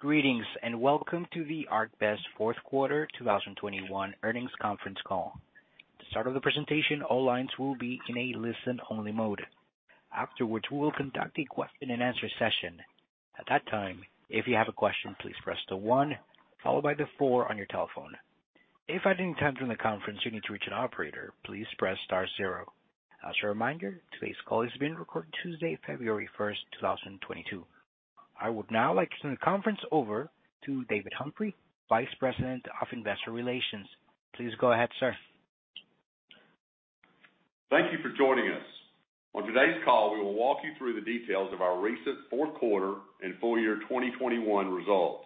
Greetings, and welcome to the ArcBest fourth quarter 2021 earnings conference call. To start with the presentation, all lines will be in a listen-only mode. Afterwards, we will conduct a question-and-answer session. At that time, if you have a question, please press the 1 followed by the 4 on your telephone. If at any time during the conference you need to reach an operator, please press star zero. As a reminder, today's call is being recorded. Tuesday, February 1, 2022. I would now like to turn the conference over to David Humphrey, Vice President of Investor Relations. Please go ahead, sir. Thank you for joining us. On today's call, we will walk you through the details of our recent fourth quarter and full year 2021 results.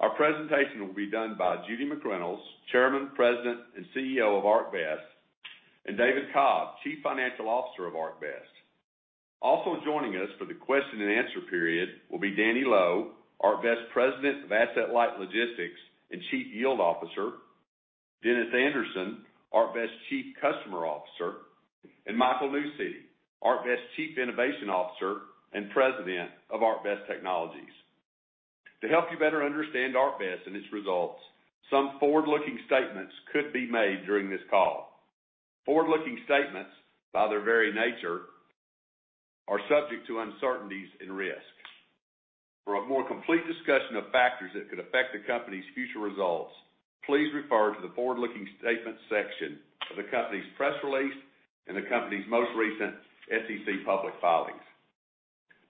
Our presentation will be done by Judy McReynolds, Chairman, President, and CEO of ArcBest, and David Cobb, Chief Financial Officer of ArcBest. Also joining us for the question-and-answer period will be Danny Loe, President of Asset-Light Logistics and Chief Yield Officer, ArcBest, Dennis Anderson, Chief Customer Officer, ArcBest, and Michael Newcity, Chief Innovation Officer and President of ArcBest Technologies. To help you better understand ArcBest and its results, some forward-looking statements could be made during this call. Forward-looking statements, by their very nature, are subject to uncertainties and risks. For a more complete discussion of factors that could affect the company's future results, please refer to the forward-looking statements section of the company's press release and the company's most recent SEC public filings.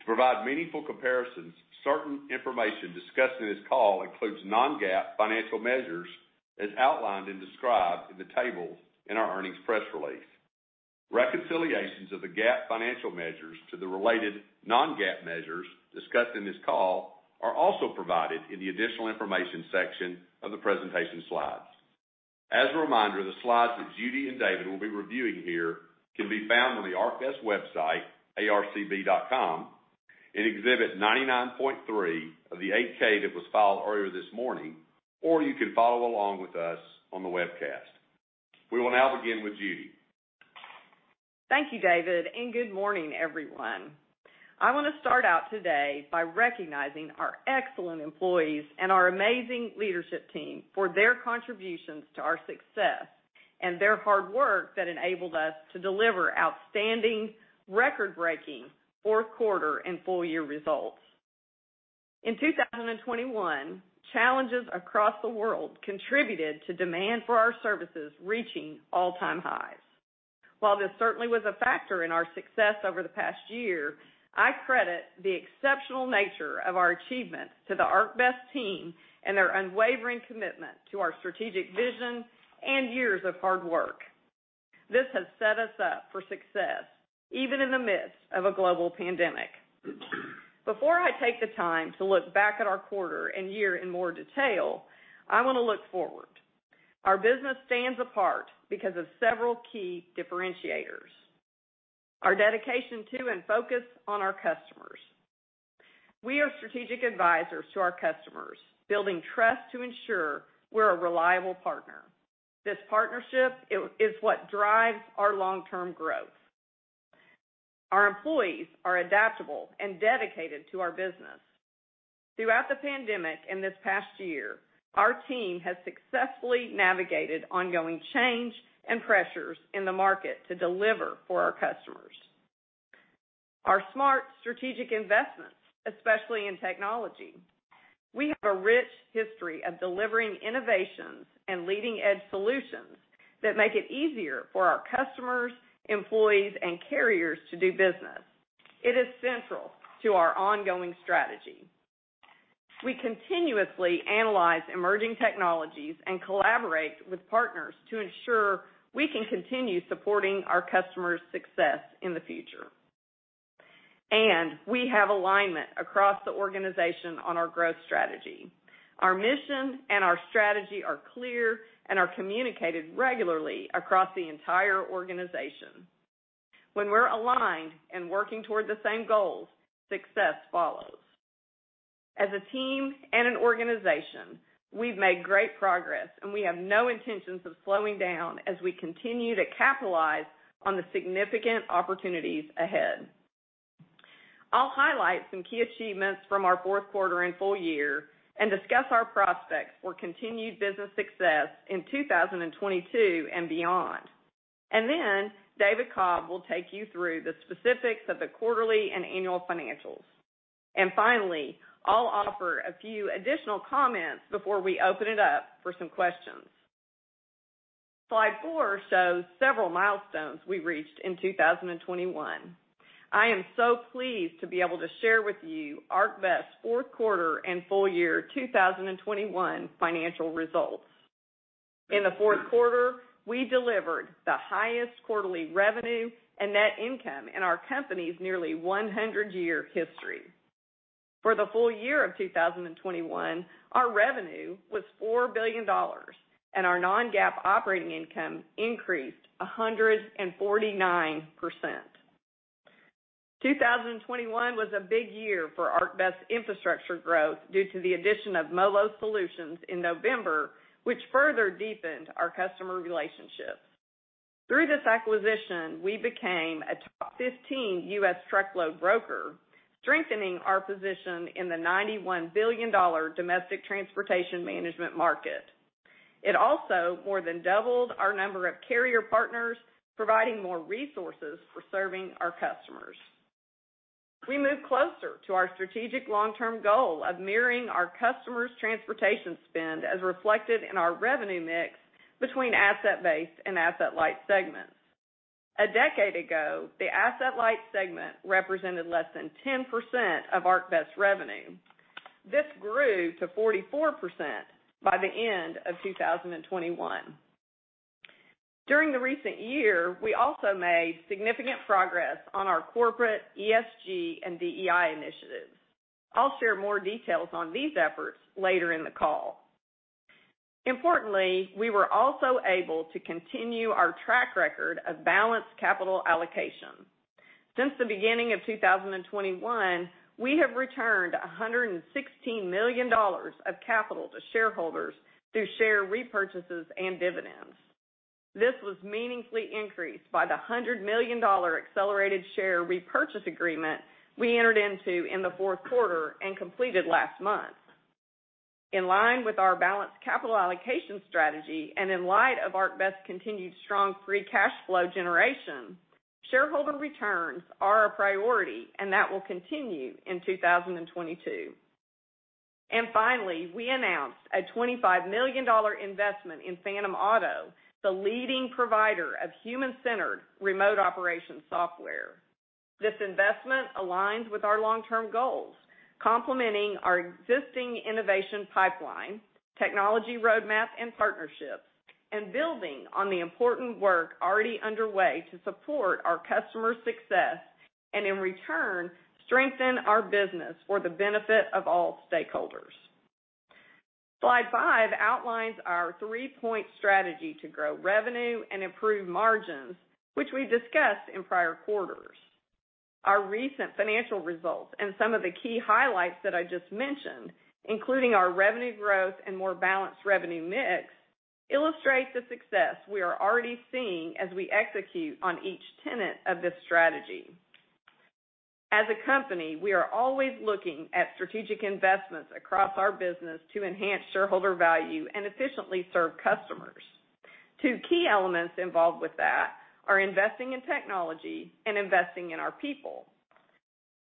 To provide meaningful comparisons, certain information discussed in this call includes non-GAAP financial measures, as outlined and described in the tables in our earnings press release. Reconciliations of the GAAP financial measures to the related non-GAAP measures discussed in this call are also provided in the additional information section of the presentation slides. As a reminder, the slides that Judy and David will be reviewing here can be found on the ArcBest website, arcb.com, in Exhibit 99.3 of the 8-K that was filed earlier this morning, or you can follow along with us on the webcast. We will now begin with Judy. Thank you, David, and good morning, everyone. I want to start out today by recognizing our excellent employees and our amazing leadership team for their contributions to our success and their hard work that enabled us to deliver outstanding, record-breaking fourth quarter and full year results. In 2021, challenges across the world contributed to demand for our services reaching all-time highs. While this certainly was a factor in our success over the past year, I credit the exceptional nature of our achievements to the ArcBest team and their unwavering commitment to our strategic vision and years of hard work. This has set us up for success, even in the midst of a global pandemic. Before I take the time to look back at our quarter and year in more detail, I want to look forward. Our business stands apart because of several key differentiators. Our dedication to and focus on our customers. We are strategic advisors to our customers, building trust to ensure we're a reliable partner. This partnership is what drives our long-term growth. Our employees are adaptable and dedicated to our business. Throughout the pandemic in this past year, our team has successfully navigated ongoing change and pressures in the market to deliver for our customers. Our smart strategic investments, especially in technology. We have a rich history of delivering innovations and leading-edge solutions that make it easier for our customers, employees, and carriers to do business. It is central to our ongoing strategy. We continuously analyze emerging technologies and collaborate with partners to ensure we can continue supporting our customers' success in the future. We have alignment across the organization on our growth strategy. Our mission and our strategy are clear and are communicated regularly across the entire organization. When we're aligned and working toward the same goals, success follows. As a team and an organization, we've made great progress, and we have no intentions of slowing down as we continue to capitalize on the significant opportunities ahead. I'll highlight some key achievements from our fourth quarter and full year and discuss our prospects for continued business success in 2022 and beyond. Then David Cobb will take you through the specifics of the quarterly and annual financials. Finally, I'll offer a few additional comments before we open it up for some questions. Slide 4 shows several milestones we reached in 2021. I am so pleased to be able to share with you ArcBest fourth quarter and full year 2021 financial results. In the fourth quarter, we delivered the highest quarterly revenue and net income in our company's nearly 100-year history. For the full year of 2021, our revenue was $4 billion, and our non-GAAP operating income increased 149%. 2021 was a big year for ArcBest infrastructure growth due to the addition of MoLo Solutions in November, which further deepened our customer relationships. Through this acquisition, we became a top 15 U.S. truckload broker, strengthening our position in the $91 billion domestic transportation management market. It also more than doubled our number of carrier partners, providing more resources for serving our customers. We move closer to our strategic long-term goal of mirroring our customers' transportation spend as reflected in our revenue mix between asset-based and asset-light segments. A decade ago, the asset-light segment represented less than 10% of ArcBest revenue. This grew to 44% by the end of 2021. During the recent year, we also made significant progress on our corporate ESG and DEI initiatives. I'll share more details on these efforts later in the call. Importantly, we were also able to continue our track record of balanced capital allocation. Since the beginning of 2021, we have returned $116 million of capital to shareholders through share repurchases and dividends. This was meaningfully increased by the $100 million accelerated share repurchase agreement we entered into in the fourth quarter and completed last month. In line with our balanced capital allocation strategy, and in light of ArcBest's continued strong free cash flow generation, shareholder returns are a priority, and that will continue in 2022. Finally, we announced a $25 million investment in Phantom Auto, the leading provider of human-centered remote operation software. This investment aligns with our long-term goals, complementing our existing innovation pipeline, technology roadmap and partnerships, and building on the important work already underway to support our customers' success, and in return, strengthen our business for the benefit of all stakeholders. Slide five outlines our three-point strategy to grow revenue and improve margins, which we discussed in prior quarters. Our recent financial results and some of the key highlights that I just mentioned, including our revenue growth and more balanced revenue mix, illustrates the success we are already seeing as we execute on each tenet of this strategy. As a company, we are always looking at strategic investments across our business to enhance shareholder value and efficiently serve customers. Two key elements involved with that are investing in technology and investing in our people.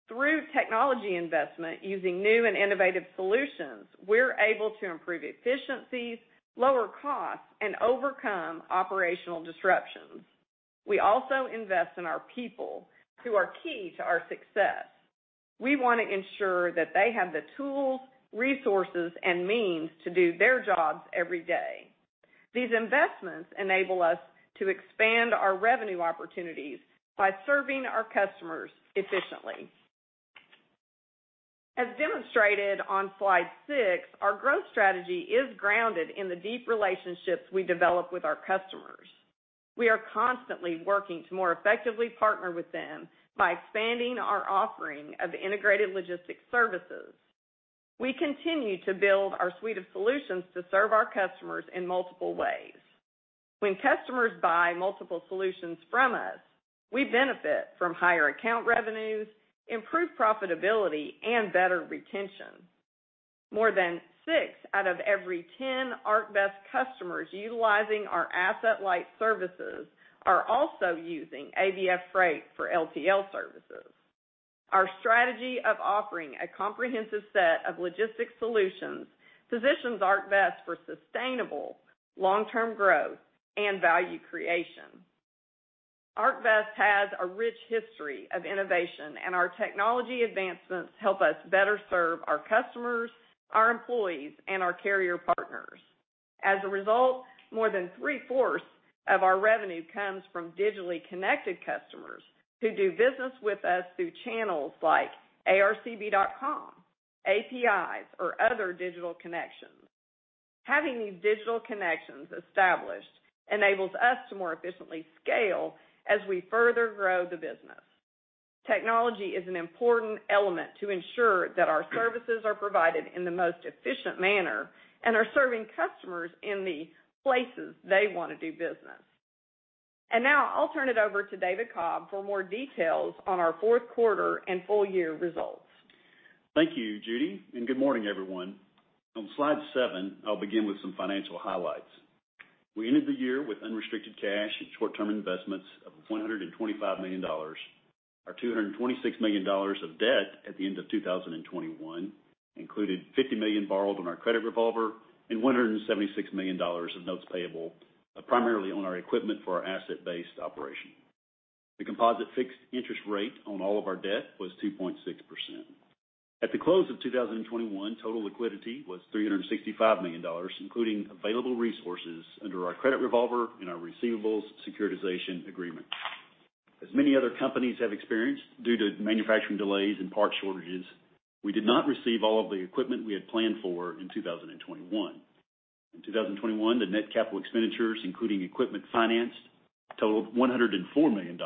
Through technology investment, using new and innovative solutions, we're able to improve efficiencies, lower costs, and overcome operational disruptions. We also invest in our people who are key to our success. We wanna ensure that they have the tools, resources, and means to do their jobs every day. These investments enable us to expand our revenue opportunities by serving our customers efficiently. As demonstrated on slide six, our growth strategy is grounded in the deep relationships we develop with our customers. We are constantly working to more effectively partner with them by expanding our offering of integrated logistics services. We continue to build our suite of solutions to serve our customers in multiple ways. When customers buy multiple solutions from us, we benefit from higher account revenues, improved profitability, and better retention. More than six out of every ten ArcBest customers utilizing our asset-light services are also using ABF Freight for LTL services. Our strategy of offering a comprehensive set of logistics solutions positions ArcBest for sustainable long-term growth and value creation. ArcBest has a rich history of innovation, and our technology advancements help us better serve our customers, our employees, and our carrier partners. As a result, more than three-fourths of our revenue comes from digitally connected customers who do business with us through channels like arcb.com, APIs, or other digital connections. Having these digital connections established enables us to more efficiently scale as we further grow the business. Technology is an important element to ensure that our services are provided in the most efficient manner and are serving customers in the places they wanna do business. Now I'll turn it over to David Cobb for more details on our fourth quarter and full year results. Thank you, Judy, and good morning, everyone. On slide 7, I'll begin with some financial highlights. We ended the year with unrestricted cash and short-term investments of $125 million. Our $226 million of debt at the end of 2021 included $50 million borrowed on our credit revolver and $176 million of notes payable, primarily on our equipment for our asset-based operation. The composite fixed interest rate on all of our debt was 2.6%. At the close of 2021, total liquidity was $365 million, including available resources under our credit revolver and our receivables securitization agreement. As many other companies have experienced due to manufacturing delays and part shortages, we did not receive all of the equipment we had planned for in 2021. In 2021, the net capital expenditures, including equipment financed, totaled $104 million.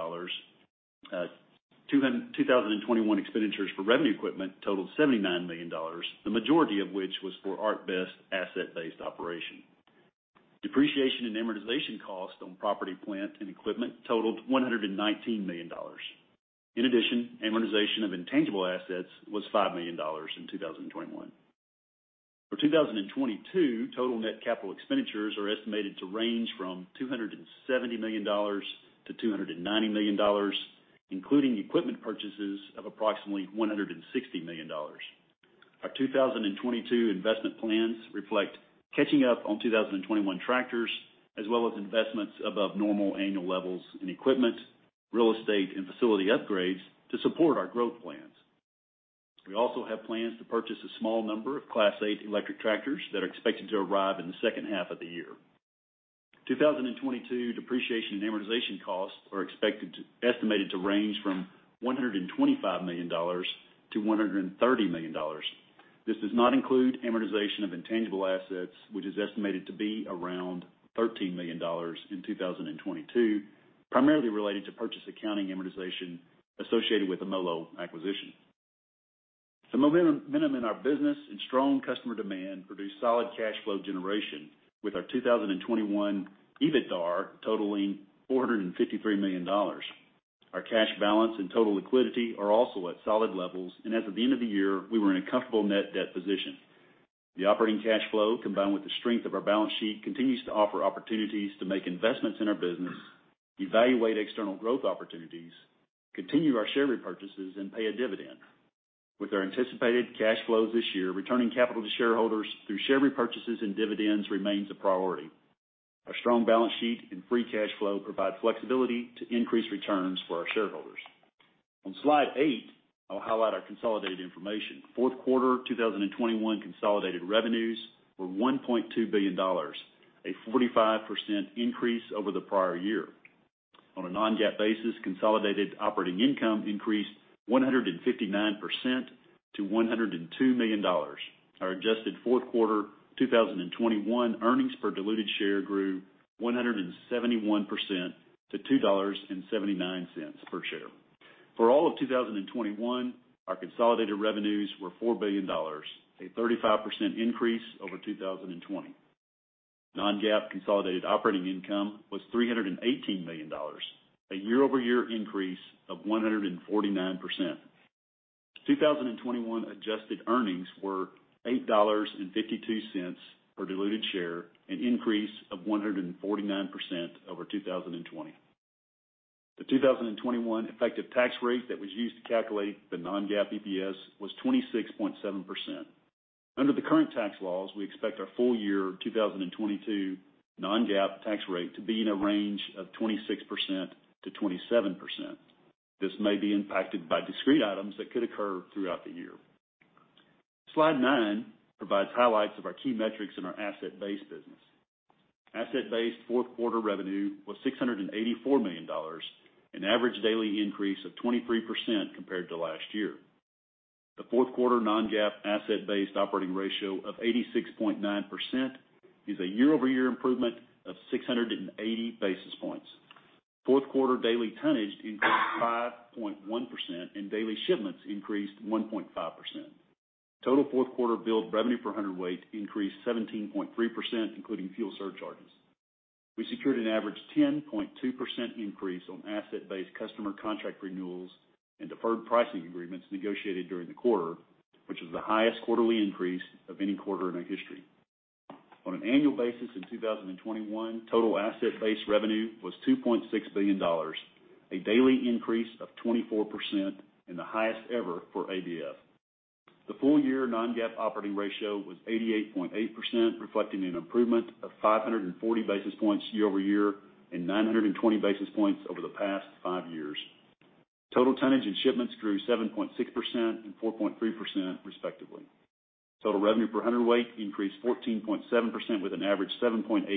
2021 expenditures for revenue equipment totaled $79 million, the majority of which was for ArcBest asset-based operation. Depreciation and amortization costs on property, plant, and equipment totaled $119 million. In addition, amortization of intangible assets was $5 million in 2021. For 2022, total net capital expenditures are estimated to range from $270 million to $290 million, including equipment purchases of approximately $160 million. Our 2022 investment plans reflect catching up on 2021 tractors, as well as investments above normal annual levels in equipment, real estate, and facility upgrades to support our growth plans. We also have plans to purchase a small number of Class 8 electric tractors that are expected to arrive in the second half of the year. 2022 depreciation and amortization costs are estimated to range from $125 million to $130 million. This does not include amortization of intangible assets, which is estimated to be around $13 million in 2022, primarily related to purchase accounting amortization associated with the MoLo acquisition. The momentum in our business and strong customer demand produced solid cash flow generation with our 2021 EBITDA totaling $453 million. Our cash balance and total liquidity are also at solid levels, and as of the end of the year, we were in a comfortable net debt position. The operating cash flow, combined with the strength of our balance sheet, continues to offer opportunities to make investments in our business, evaluate external growth opportunities, continue our share repurchases, and pay a dividend. With our anticipated cash flows this year, returning capital to shareholders through share repurchases and dividends remains a priority. Our strong balance sheet and free cash flow provide flexibility to increase returns for our shareholders. On slide 8, I'll highlight our consolidated information. Fourth quarter 2021 consolidated revenues were $1.2 billion, a 45% increase over the prior year. On a non-GAAP basis, consolidated operating income increased 159% to $102 million. Our adjusted fourth quarter 2021 earnings per diluted share grew 171% to $2.79 per share. For all of 2021, our consolidated revenues were $4 billion, a 35% increase over 2020. Non-GAAP consolidated operating income was $318 million, a year-over-year increase of 149%. 2021 adjusted earnings were $8.52 per diluted share, an increase of 149% over 2020. The 2021 effective tax rate that was used to calculate the non-GAAP EPS was 26.7%. Under the current tax laws, we expect our full year 2022 non-GAAP tax rate to be in a range of 26%-27%. This may be impacted by discrete items that could occur throughout the year. Slide 9 provides highlights of our key metrics in our asset-based business. Asset-based fourth quarter revenue was $684 million, an average daily increase of 23% compared to last year. The fourth quarter non-GAAP asset-based operating ratio of 86.9% is a year-over-year improvement of 680 basis points. Fourth quarter daily tonnage increased 5.1%, and daily shipments increased 1.5%. Total fourth quarter billed revenue per hundredweight increased 17.3%, including fuel surcharges. We secured an average 10.2% increase on asset-based customer contract renewals and deferred pricing agreements negotiated during the quarter, which is the highest quarterly increase of any quarter in our history. On an annual basis in 2021, total asset-based revenue was $2.6 billion, a daily increase of 24%, and the highest ever for ABF. The full year non-GAAP operating ratio was 88.8%, reflecting an improvement of 540 basis points year over year and 920 basis points over the past five years. Total tonnage and shipments grew 7.6% and 4.3% respectively. Total revenue per hundredweight increased 14.7% with an average 7.8%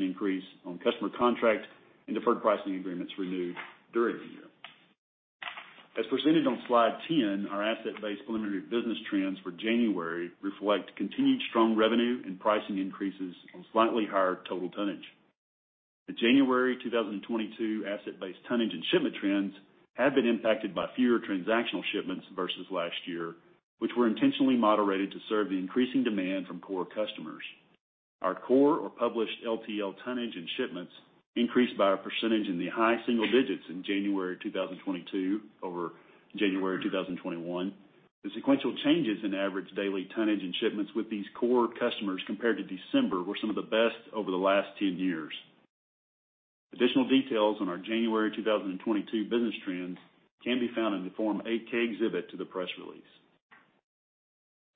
increase on customer contracts and deferred pricing agreements renewed during the year. As presented on slide 10, our asset-based preliminary business trends for January reflect continued strong revenue and pricing increases on slightly higher total tonnage. The January 2022 asset-based tonnage and shipment trends have been impacted by fewer transactional shipments versus last year, which were intentionally moderated to serve the increasing demand from core customers. Our core or published LTL tonnage and shipments increased by a percentage in the high single digits in January 2022 over January 2021. The sequential changes in average daily tonnage and shipments with these core customers compared to December were some of the best over the last 10 years. Additional details on our January 2022 business trends can be found in the Form 8-K exhibit to the press release.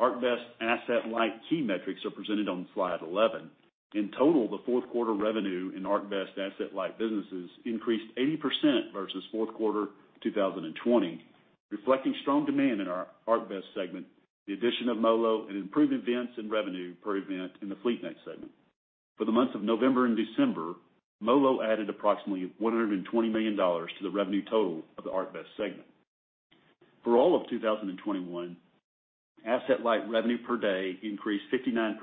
ArcBest Asset-Light key metrics are presented on slide 11. In total, the fourth quarter revenue in ArcBest Asset-Light businesses increased 80% versus fourth quarter 2020, reflecting strong demand in our ArcBest segment, the addition of MoLo, and improved events and revenue per event in the FleetNet segment. For the months of November and December, MoLo added approximately $120 million to the revenue total of the ArcBest segment. For all of 2021, Asset-Light revenue per day increased 59%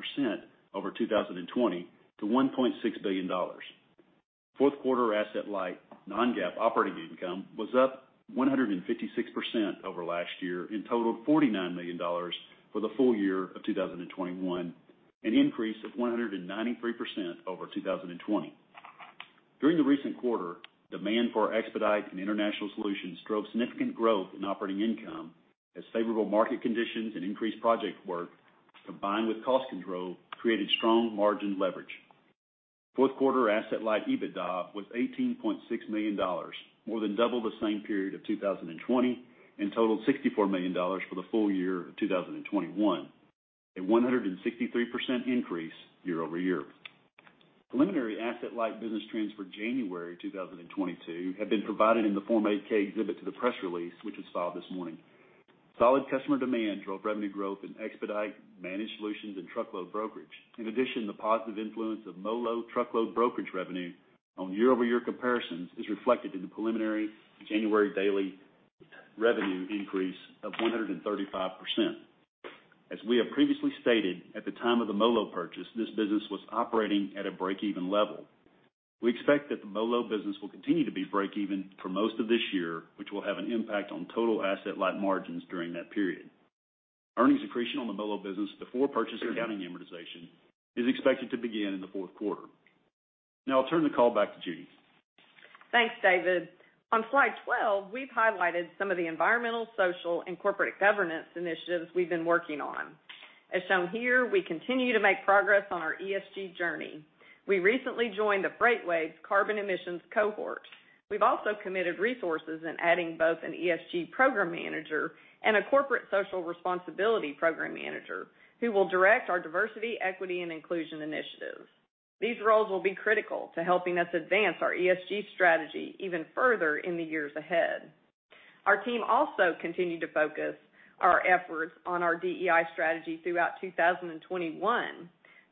over 2020 to $1.6 billion. Fourth quarter Asset-Light non-GAAP operating income was up 156% over last year and totaled $49 million for the full year of 2021, an increase of 193% over 2020. During the recent quarter, demand for expedite and international solutions drove significant growth in operating income as favorable market conditions and increased project work, combined with cost control, created strong margin leverage. Fourth quarter Asset-Light EBITDA was $18.6 million, more than double the same period of 2020, and totaled $64 million for the full year of 2021, a 163% increase year over year. Preliminary Asset-Light business trends for January 2022 have been provided in the Form 8-K exhibit to the press release, which was filed this morning. Solid customer demand drove revenue growth in expedite, managed solutions, and truckload brokerage. In addition, the positive influence of MoLo truckload brokerage revenue on year-over-year comparisons is reflected in the preliminary January daily revenue increase of 135%. As we have previously stated, at the time of the MoLo purchase, this business was operating at a break-even level. We expect that the MoLo business will continue to be break-even for most of this year, which will have an impact on total Asset-Light margins during that period. Earnings accretion on the MoLo business before purchase accounting amortization is expected to begin in the fourth quarter. Now I'll turn the call back to Judy. Thanks, David. On slide 12, we've highlighted some of the environmental, social, and corporate governance initiatives we've been working on. As shown here, we continue to make progress on our ESG journey. We recently joined the FreightWaves Carbon Intelligence. We've also committed resources in adding both an ESG program manager and a corporate social responsibility program manager who will direct our diversity, equity, and inclusion initiatives. These roles will be critical to helping us advance our ESG strategy even further in the years ahead. Our team also continued to focus our efforts on our DEI strategy throughout 2021.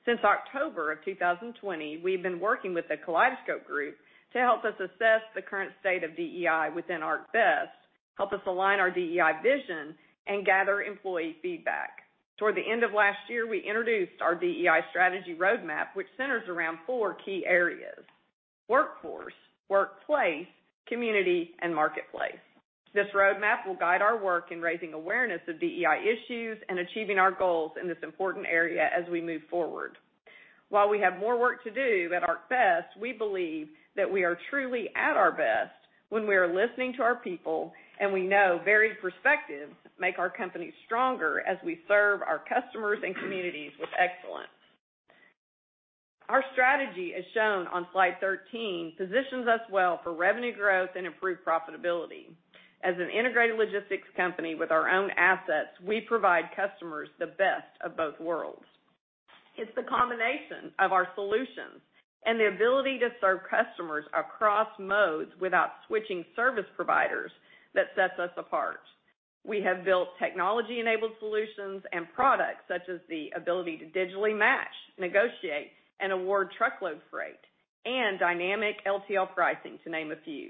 Since October of 2020, we've been working with the Kaleidoscope Group to help us assess the current state of DEI within ArcBest, help us align our DEI vision, and gather employee feedback. Toward the end of last year, we introduced our DEI strategy roadmap, which centers around four key areas, workforce, workplace, community, and marketplace. This roadmap will guide our work in raising awareness of DEI issues and achieving our goals in this important area as we move forward. While we have more work to do at ArcBest, we believe that we are truly at our best when we are listening to our people, and we know varied perspectives make our company stronger as we serve our customers and communities with excellence. Our strategy, as shown on slide 13, positions us well for revenue growth and improved profitability. As an integrated logistics company with our own assets, we provide customers the best of both worlds. It's the combination of our solutions and the ability to serve customers across modes without switching service providers that sets us apart. We have built technology-enabled solutions and products such as the ability to digitally match, negotiate, and award truckload freight and dynamic LTL pricing, to name a few.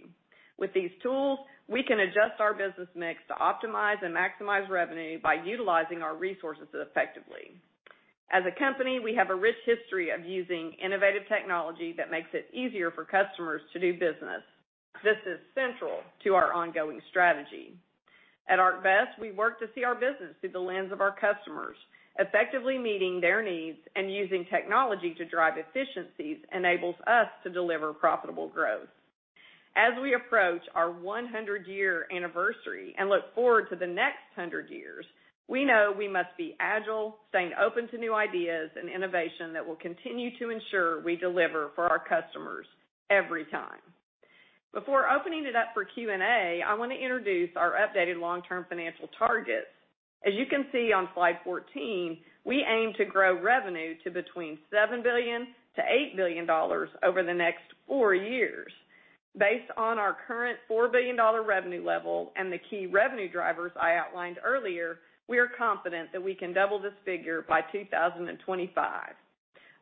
With these tools, we can adjust our business mix to optimize and maximize revenue by utilizing our resources effectively. As a company, we have a rich history of using innovative technology that makes it easier for customers to do business. This is central to our ongoing strategy. At ArcBest, we work to see our business through the lens of our customers. Effectively meeting their needs and using technology to drive efficiencies enables us to deliver profitable growth. As we approach our one hundred-year anniversary and look forward to the next hundred years, we know we must be agile, staying open to new ideas and innovation that will continue to ensure we deliver for our customers every time. Before opening it up for Q&A, I want to introduce our updated long-term financial targets. As you can see on slide 14, we aim to grow revenue to between $7 billion and $8 billion over the next 4 years. Based on our current $4 billion revenue level and the key revenue drivers I outlined earlier, we are confident that we can double this figure by 2025.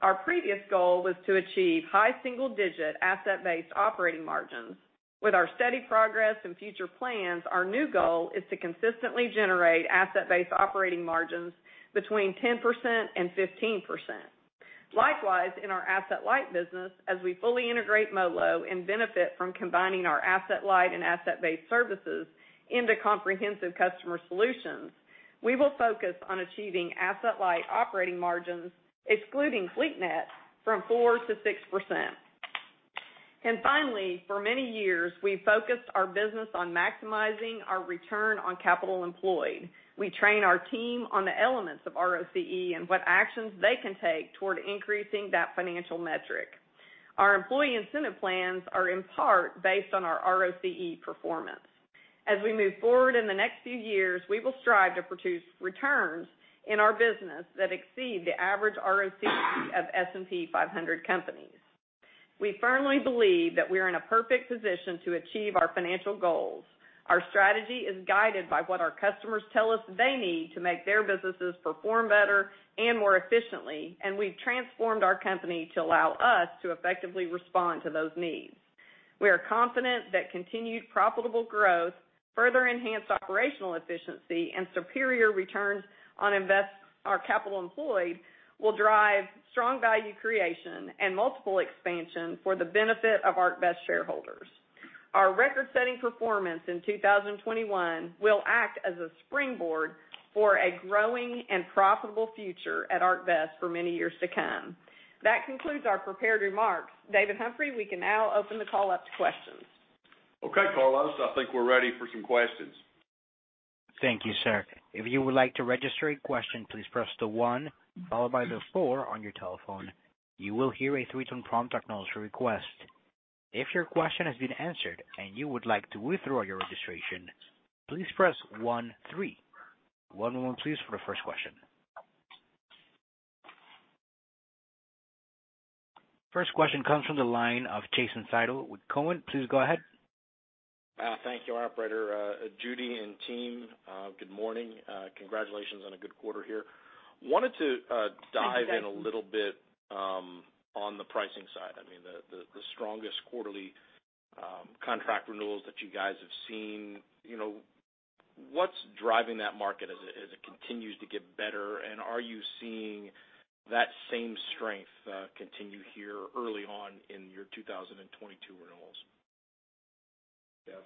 Our previous goal was to achieve high single-digit asset-based operating margins. With our steady progress and future plans, our new goal is to consistently generate asset-based operating margins between 10% and 15%. Likewise, in our Asset-Light business, as we fully integrate MoLo and benefit from combining our Asset-Light and asset-based services into comprehensive customer solutions, we will focus on achieving Asset-Light operating margins, excluding FleetNet, from 4%-6%. Finally, for many years, we've focused our business on maximizing our return on capital employed. We train our team on the elements of ROCE and what actions they can take toward increasing that financial metric. Our employee incentive plans are in part based on our ROCE performance. As we move forward in the next few years, we will strive to produce returns in our business that exceed the average ROCE of S&P 500 companies. We firmly believe that we are in a perfect position to achieve our financial goals. Our strategy is guided by what our customers tell us they need to make their businesses perform better and more efficiently, and we've transformed our company to allow us to effectively respond to those needs. We are confident that continued profitable growth, further enhanced operational efficiency, and superior returns on our capital employed will drive strong value creation and multiple expansion for the benefit of ArcBest shareholders. Our record-setting performance in 2021 will act as a springboard for a growing and profitable future at ArcBest for many years to come. That concludes our prepared remarks. David Humphrey, we can now open the call up to questions. Okay, Carlos, I think we're ready for some questions. Thank you, sir. One moment please for the first question. First question comes from the line of Jason Seidl with Cowen. Please go ahead. Thank you, operator. Judy and team, good morning. Congratulations on a good quarter here. Wanted to dive in a little bit on the pricing side. I mean, the strongest quarterly contract renewals that you guys have seen. You know, what's driving that market as it continues to get better? And are you seeing that same strength continue here early on in your 2022 renewals? Yeah.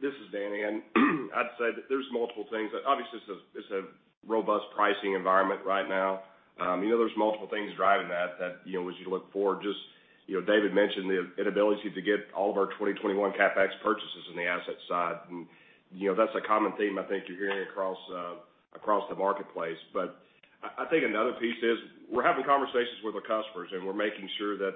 This is Danny, and I'd say that there's multiple things. Obviously, it's a robust pricing environment right now. You know, there's multiple things driving that, you know, as you look forward, just, you know, David mentioned the inability to get all of our 2021 CapEx purchases in the asset side. You know, that's a common theme I think you're hearing across the marketplace. I think another piece is we're having conversations with our customers, and we're making sure that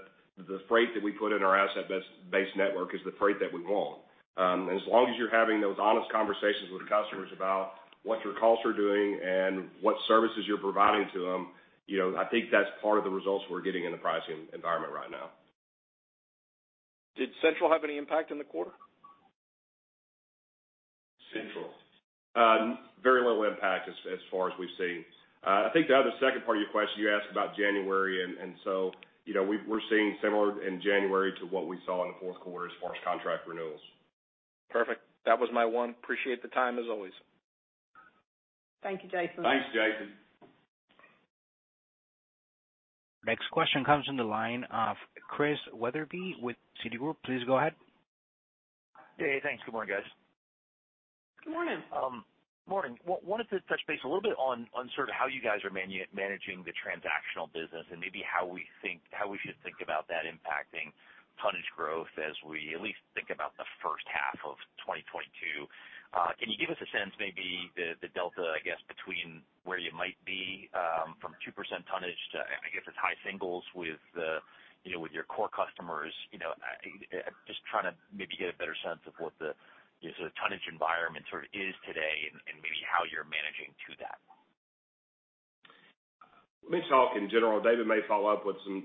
the freight that we put in our asset-based network is the freight that we want. As long as you're having those honest conversations with customers about what your costs are doing and what services you're providing to them, you know, I think that's part of the results we're getting in the pricing environment right now. Did Central have any impact in the quarter? Central. Very little impact as far as we've seen. I think the other second part of your question, you asked about January, and so, you know, we're seeing similar in January to what we saw in the fourth quarter as far as contract renewals. Perfect. That was my one. Appreciate the time, as always. Thank you, Jason. Thanks, Jason. Next question comes in the line of Christian Wetherbee with Citigroup. Please go ahead. Hey. Thanks. Good morning, guys. Good morning. Good morning. Wanted to touch base a little bit on sort of how you guys are managing the transactional business and maybe how we should think about that impacting tonnage growth as we at least think about the first half of 2022. Can you give us a sense maybe the delta, I guess, between where you might be from 2% tonnage to, I guess, it's high singles with you know with your core customers? You know, I'm just trying to maybe get a better sense of what the sort of tonnage environment sort of is today and maybe how you're managing to that. Let me talk in general. David may follow up with some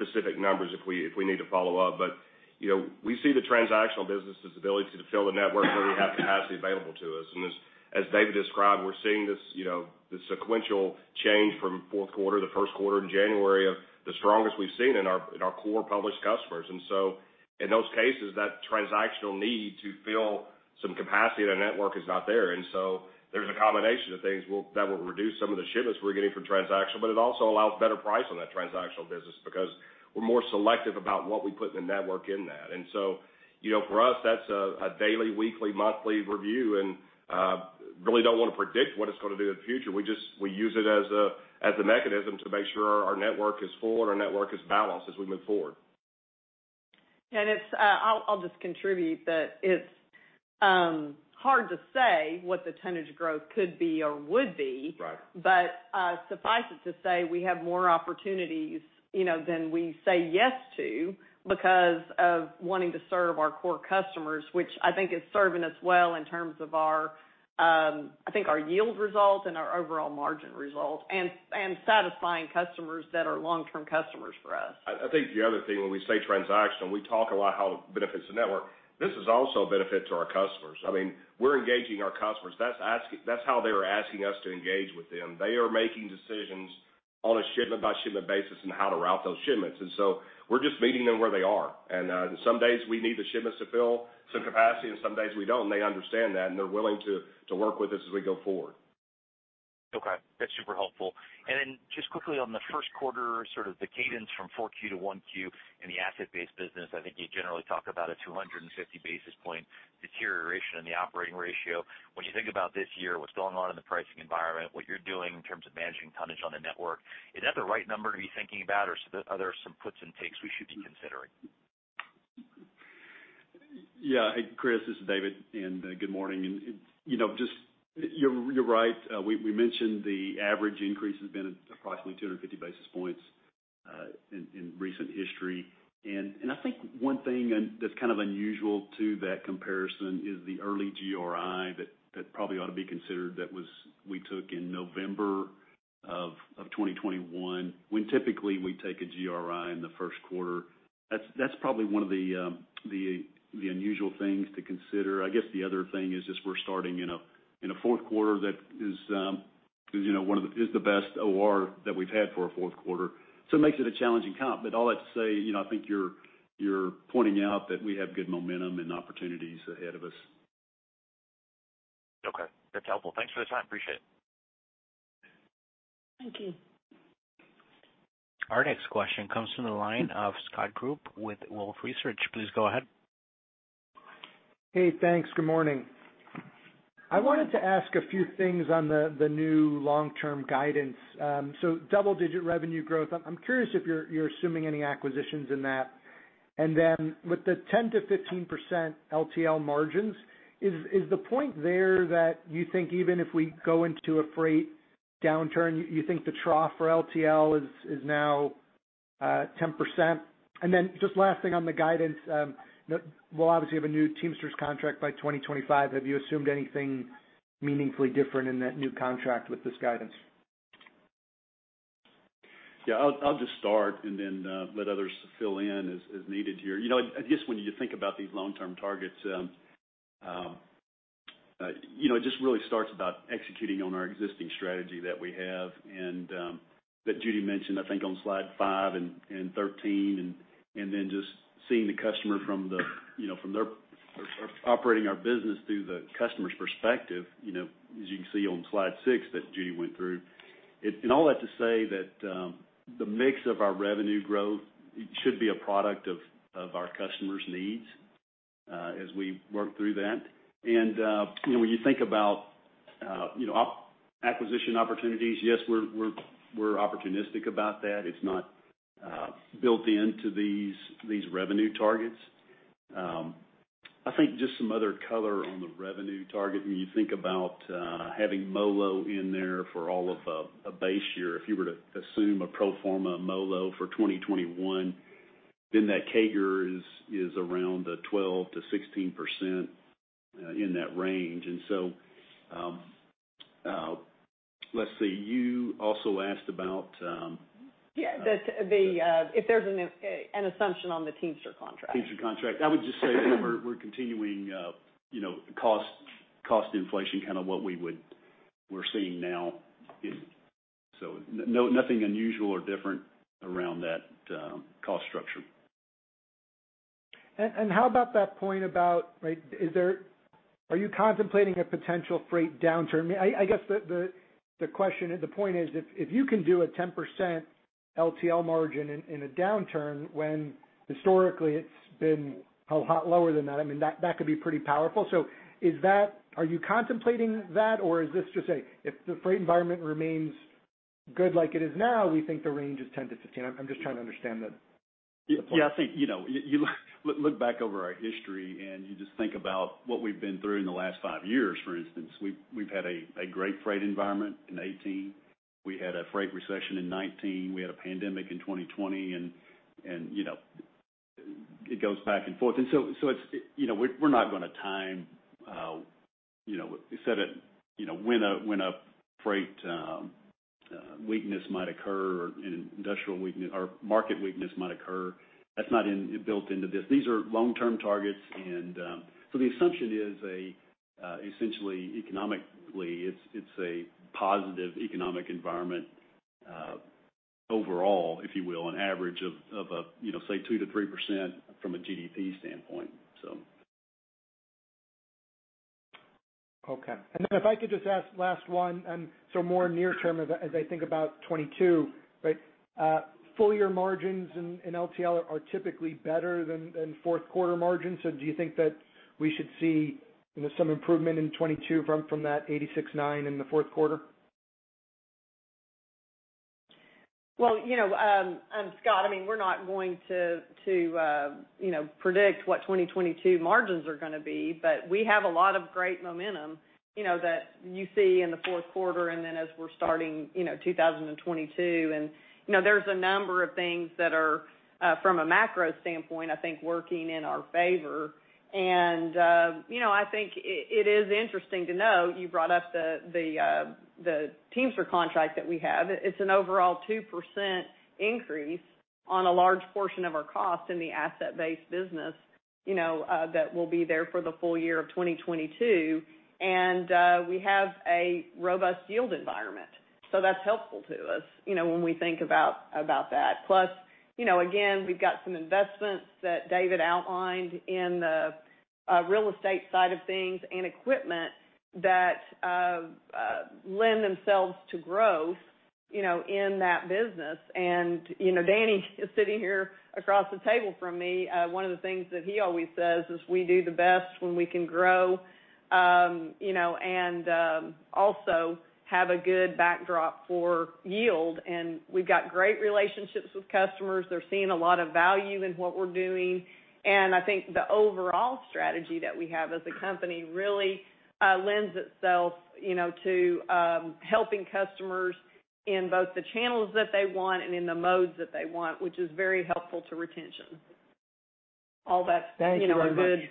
specific numbers if we need to follow up. You know, we see the transactional business' ability to fill the network where we have capacity available to us. As David described, we're seeing this, you know, the sequential change from fourth quarter to first quarter in January of the strongest we've seen in our core published customers. In those cases, that transactional need to fill some capacity in our network is not there. There's a combination of things that will reduce some of the shipments we're getting from transactional, but it also allows better price on that transactional business because we're more selective about what we put in the network in that. You know, for us, that's a daily, weekly, monthly review, and we really don't want to predict what it's going to do in the future. We just use it as a mechanism to make sure our network is full and our network is balanced as we move forward. I'll just contribute that it's hard to say what the tonnage growth could be or would be. Right. Suffice it to say, we have more opportunities, you know, than we say yes to because of wanting to serve our core customers, which I think is serving us well in terms of our I think our yield results and our overall margin results and satisfying customers that are long-term customers for us. I think the other thing, when we say transactional, we talk a lot about how it benefits the network. This is also a benefit to our customers. I mean, we're engaging our customers. That's how they're asking us to engage with them. They are making decisions on a shipment by shipment basis and how to route those shipments. We're just meeting them where they are. Some days we need the shipments to fill some capacity, and some days we don't, and they understand that, and they're willing to work with us as we go forward. Okay. That's super helpful. Just quickly on the first quarter, sort of the cadence from 4Q to 1Q in the asset-based business. I think you generally talk about a 250 basis point deterioration in the operating ratio. When you think about this year, what's going on in the pricing environment, what you're doing in terms of managing tonnage on the network, is that the right number to be thinking about, or are there some puts and takes we should be considering? Yeah. Hey, Chris, this is David, and good morning. You know, just you're right. We mentioned the average increase has been approximately 250 basis points in recent history. I think one thing, and that's kind of unusual to that comparison, is the early GRI that probably ought to be considered that was we took in November of 2021, when typically we take a GRI in the first quarter. That's probably one of the unusual things to consider. I guess the other thing is we're starting in a fourth quarter that is 'Cause, you know, one of the best OR that we've had for a fourth quarter, so it makes it a challenging comp. All that to say, you know, I think you're pointing out that we have good momentum and opportunities ahead of us. Okay, that's helpful. Thanks for the time. Appreciate it. Thank you. Our next question comes from the line of Scott Group with Wolfe Research. Please go ahead. Hey, thanks. Good morning. I wanted to ask a few things on the new long-term guidance. Double-digit revenue growth. I'm curious if you're assuming any acquisitions in that. With the 10%-15% LTL margins, is the point there that you think even if we go into a freight downturn, you think the trough for LTL is now 10%? Just last thing on the guidance, we'll obviously have a new Teamsters contract by 2025. Have you assumed anything meaningfully different in that new contract with this guidance? Yeah, I'll just start and then let others fill in as needed here. You know, I guess when you think about these long-term targets, you know, it just really starts about executing on our existing strategy that we have and that Judy mentioned, I think, on slide 5 and 13. Then just seeing the customer from the, you know, from their operating our business through the customer's perspective, you know, as you can see on slide 6 that Judy went through. All that to say that the mix of our revenue growth should be a product of our customers' needs as we work through that. You know, when you think about acquisition opportunities, yes, we're opportunistic about that. It's not built into these revenue targets. I think just some other color on the revenue target. When you think about having MoLo in there for all of a base year. If you were to assume a pro forma MoLo for 2021, then that CAGR is around 12%-16% in that range. Let's see. You also asked about- Yeah, if there's an assumption on the Teamsters contract. Teamsters contract. I would just say that we're continuing, you know, cost inflation, kind of what we're seeing now. No, nothing unusual or different around that cost structure. How about that point about, right, are you contemplating a potential freight downturn? I guess the question or the point is if you can do a 10% LTL margin in a downturn when historically it's been a lot lower than that. I mean, that could be pretty powerful. Are you contemplating that, or is this just if the freight environment remains good like it is now, we think the range is 10%-15%? I'm just trying to understand the point. Yeah, I think, you know, you look back over our history and you just think about what we've been through in the last 5 years, for instance. We've had a great freight environment in 2018. We had a freight recession in 2019. We had a pandemic in 2020. You know, it goes back and forth. It's you know, we're not gonna time, you know, set a, you know, when a freight weakness might occur or an industrial weakness or market weakness might occur. That's not built into this. These are long-term targets and so the assumption is essentially economically, it's a positive economic environment, overall, if you will, an average of, you know, say 2%-3% from a GDP standpoint. Okay. If I could just ask last one and so more near term as I think about 2022, right? Full year margins in LTL are typically better than fourth quarter margins. Do you think that we should see, you know, some improvement in 2022 from that 86.9% in the fourth quarter? Well, you know, Scott, I mean, we're not going to, you know, predict what 2022 margins are gonna be, but we have a lot of great momentum, you know, that you see in the fourth quarter and then as we're starting, you know, 2022. You know, there's a number of things that are from a macro standpoint, I think, working in our favor. You know, I think it is interesting to know you brought up the Teamsters contract that we have. It's an overall 2% increase on a large portion of our cost in the asset-based business, you know, that will be there for the full year of 2022. We have a robust yield environment, so that's helpful to us, you know, when we think about that. Plus, you know, again, we've got some investments that David outlined in the real estate side of things and equipment that lend themselves to growth, you know, in that business. You know, Danny is sitting here across the table from me. One of the things that he always says is we do the best when we can grow, you know, and also have a good backdrop for yield. We've got great relationships with customers. They're seeing a lot of value in what we're doing. I think the overall strategy that we have as a company really lends itself, you know, to helping customers in both the channels that they want and in the modes that they want, which is very helpful to retention. All that's. Thank you very much. You know, a good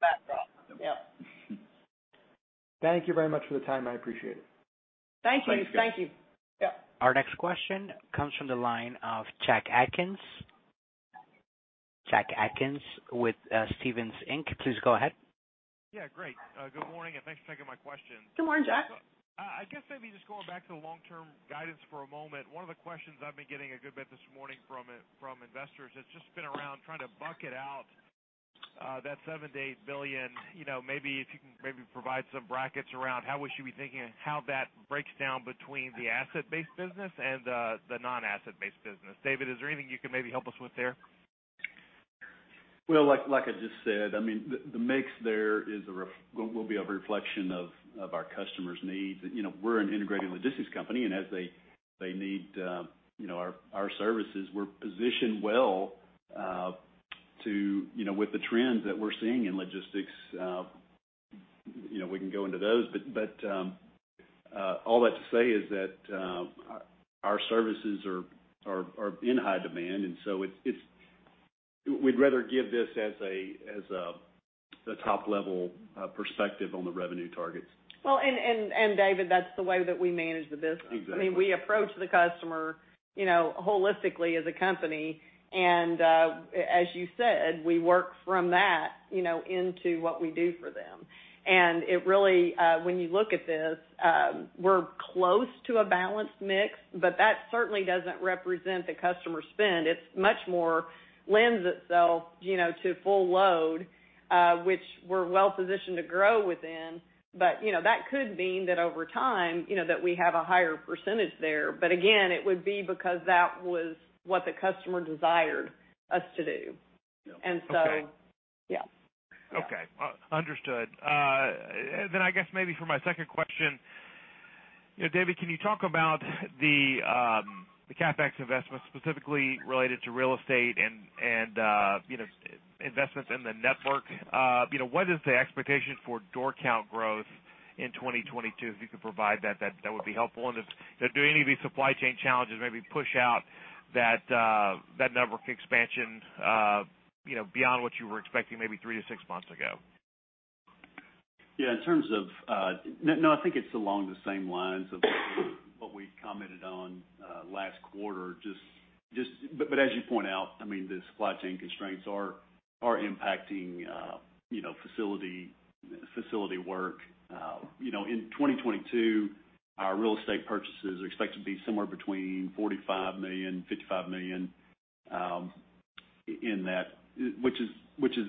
backdrop. Yep. Thank you very much for the time. I appreciate it. Thank you. Thanks, Scott. Thank you. Yep. Our next question comes from the line of Jack Atkins. Jack Atkins with Stephens Inc. Please go ahead. Yeah, great. Good morning, and thanks for taking my question. Good morning, Jack. I guess maybe just going back to the long-term guidance for a moment. One of the questions I've been getting a good bit this morning from investors has just been around trying to bucket out, that $7 billion-$8 billion. You know, maybe if you can maybe provide some brackets around how we should be thinking and how that breaks down between the asset-based business and, the non-asset-based business. David, is there anything you can maybe help us with there? Well, like I just said, I mean, the mix there will be a reflection of our customers' needs. You know, we're an integrated logistics company, and as they need our services, we're positioned well to, you know, with the trends that we're seeing in logistics, you know, we can go into those. All that to say is that our services are in high demand, and so it's. We'd rather give this as a top-level perspective on the revenue targets. Well, David, that's the way that we manage the business. Exactly. I mean, we approach the customer, you know, holistically as a company. As you said, we work from that, you know, into what we do for them. It really, when you look at this, we're close to a balanced mix, but that certainly doesn't represent the customer spend. It much more lends itself, you know, to full load, which we're well positioned to grow within. You know, that could mean that over time, you know, that we have a higher percentage there. Again, it would be because that was what the customer desired us to do. Yeah. And so- Okay. Yeah. Yeah. Okay. Understood. I guess maybe for my second question. You know, David, can you talk about the CapEx investments specifically related to real estate and you know, investments in the network? You know, what is the expectation for door count growth in 2022? If you could provide that would be helpful. Do any of these supply chain challenges maybe push out that network expansion, you know, beyond what you were expecting maybe 3-6 months ago? Yeah. In terms of... No, I think it's along the same lines of what we commented on last quarter. As you point out, I mean, the supply chain constraints are impacting you know, facility work. You know, in 2022, our real estate purchases are expected to be somewhere between $45 million-$55 million, in that, which is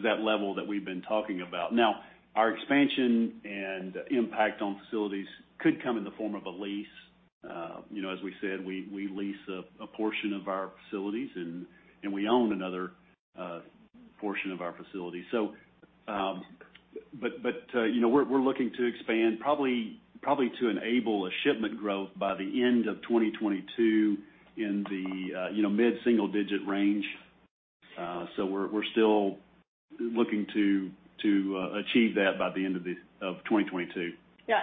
that level that we've been talking about. Now, our expansion and impact on facilities could come in the form of a lease. You know, as we said, we lease a portion of our facilities, and we own another portion of our facilities. You know, we're looking to expand to enable a shipment growth by the end of 2022 in the mid-single-digit range. We're still looking to achieve that by the end of 2022. Yeah.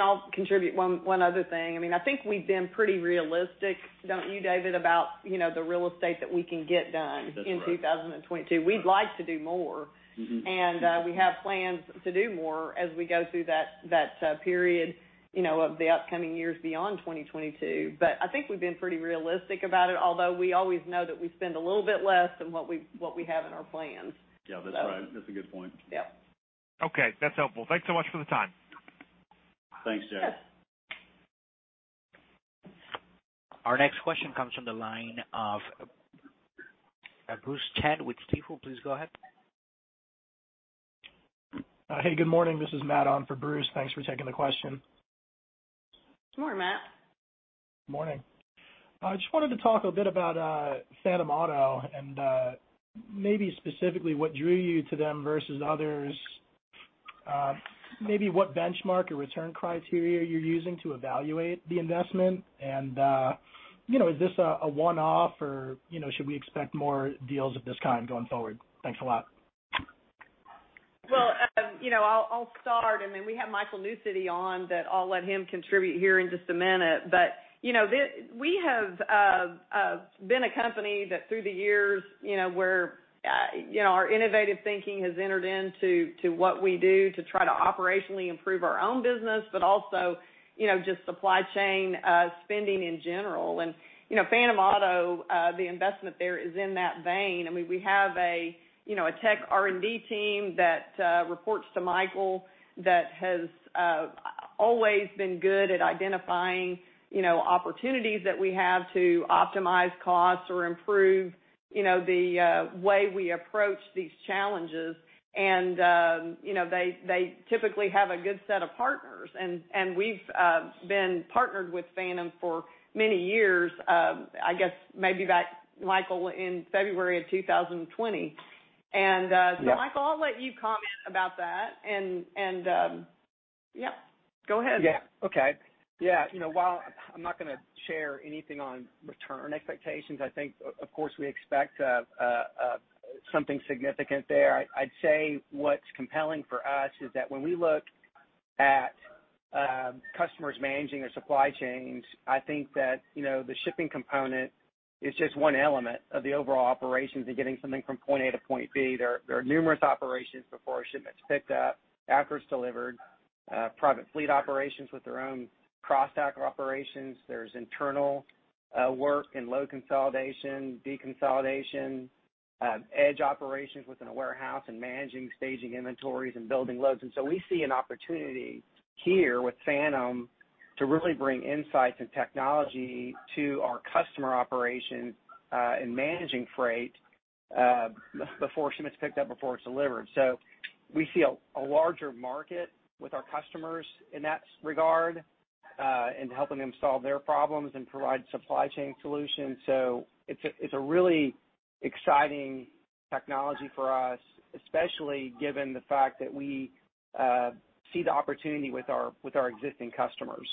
I'll contribute one other thing. I mean, I think we've been pretty realistic, don't you, David, about, you know, the real estate that we can get done- That's right. in 2022? We'd like to do more. Mm-hmm. We have plans to do more as we go through that period, you know, of the upcoming years beyond 2022. I think we've been pretty realistic about it, although we always know that we spend a little bit less than what we have in our plans. Yeah, that's right. So. That's a good point. Yep. Okay, that's helpful. Thanks so much for the time. Thanks, Jack. Yes. Our next question comes from the line of Bruce Chan with Stifel. Please go ahead. Hey, good morning. This is Matt on for Bruce. Thanks for taking the question. Good morning, Matt. Morning. I just wanted to talk a bit about Phantom Auto and maybe specifically what drew you to them versus others. Maybe what benchmark or return criteria you're using to evaluate the investment. You know, is this a one-off or, you know, should we expect more deals of this kind going forward? Thanks a lot. Well, you know, I'll start, and then we have Michael Newcity on that. I'll let him contribute here in just a minute. You know, we have been a company that through the years, you know, where our innovative thinking has entered into what we do to try to operationally improve our own business, but also, you know, just supply chain spending in general. You know, Phantom Auto, the investment there is in that vein. I mean, we have a tech R&D team that reports to Michael that has always been good at identifying, you know, opportunities that we have to optimize costs or improve, you know, the way we approach these challenges. You know, they typically have a good set of partners. We've been partnered with Phantom for many years, I guess maybe back, Michael, in February of 2020. Yeah. Michael, I'll let you comment about that. Yeah, go ahead. Yeah. Okay. Yeah. You know, while I'm not gonna share anything on return expectations, I think, of course, we expect something significant there. I'd say what's compelling for us is that when we look at customers managing their supply chains, I think that, you know, the shipping component is just one element of the overall operations in getting something from point A to point B. There are numerous operations before a shipment's picked up, after it's delivered. Private fleet operations with their own cross-dock operations. There's internal work and load consolidation, deconsolidation, edge operations within a warehouse and managing staging inventories and building loads. We see an opportunity here with Phantom to really bring insights and technology to our customer operations in managing freight before shipment's picked up, before it's delivered. We see a larger market with our customers in that regard in helping them solve their problems and provide supply chain solutions. It's a really exciting technology for us, especially given the fact that we see the opportunity with our existing customers.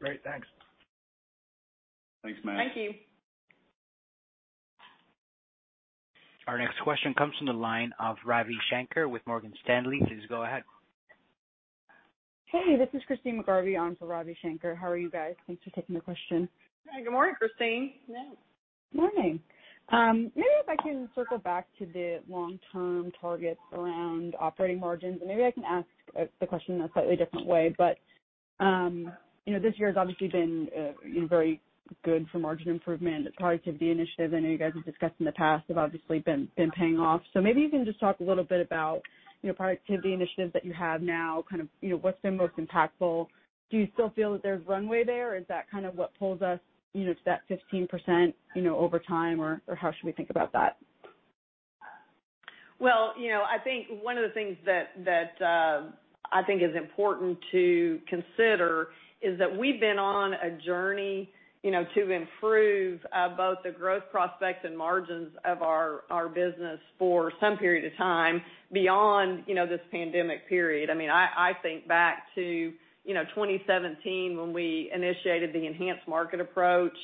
Great. Thanks. Thanks, Matt. Thank you. Our next question comes from the line of Ravi Shanker with Morgan Stanley. Please go ahead. Hey, this is Christine McGarvey on for Ravi Shanker. How are you guys? Thanks for taking the question. Good morning, Christine. Morning. Maybe if I can circle back to the long-term targets around operating margins, and maybe I can ask the question in a slightly different way. You know, this year has obviously been, you know, very good for margin improvement. The productivity initiative, I know you guys have discussed in the past, have obviously been paying off. Maybe you can just talk a little bit about, you know, productivity initiatives that you have now, kind of, you know, what's been most impactful. Do you still feel that there's runway there, or is that kind of what pulls us, you know, to that 15%, you know, over time? Or how should we think about that? Well, I think one of the things that I think is important to consider is that we've been on a journey, you know, to improve both the growth prospects and margins of our business for some period of time beyond, you know, this pandemic period. I mean, I think back to 2017 when we initiated the Enhanced Market Approach.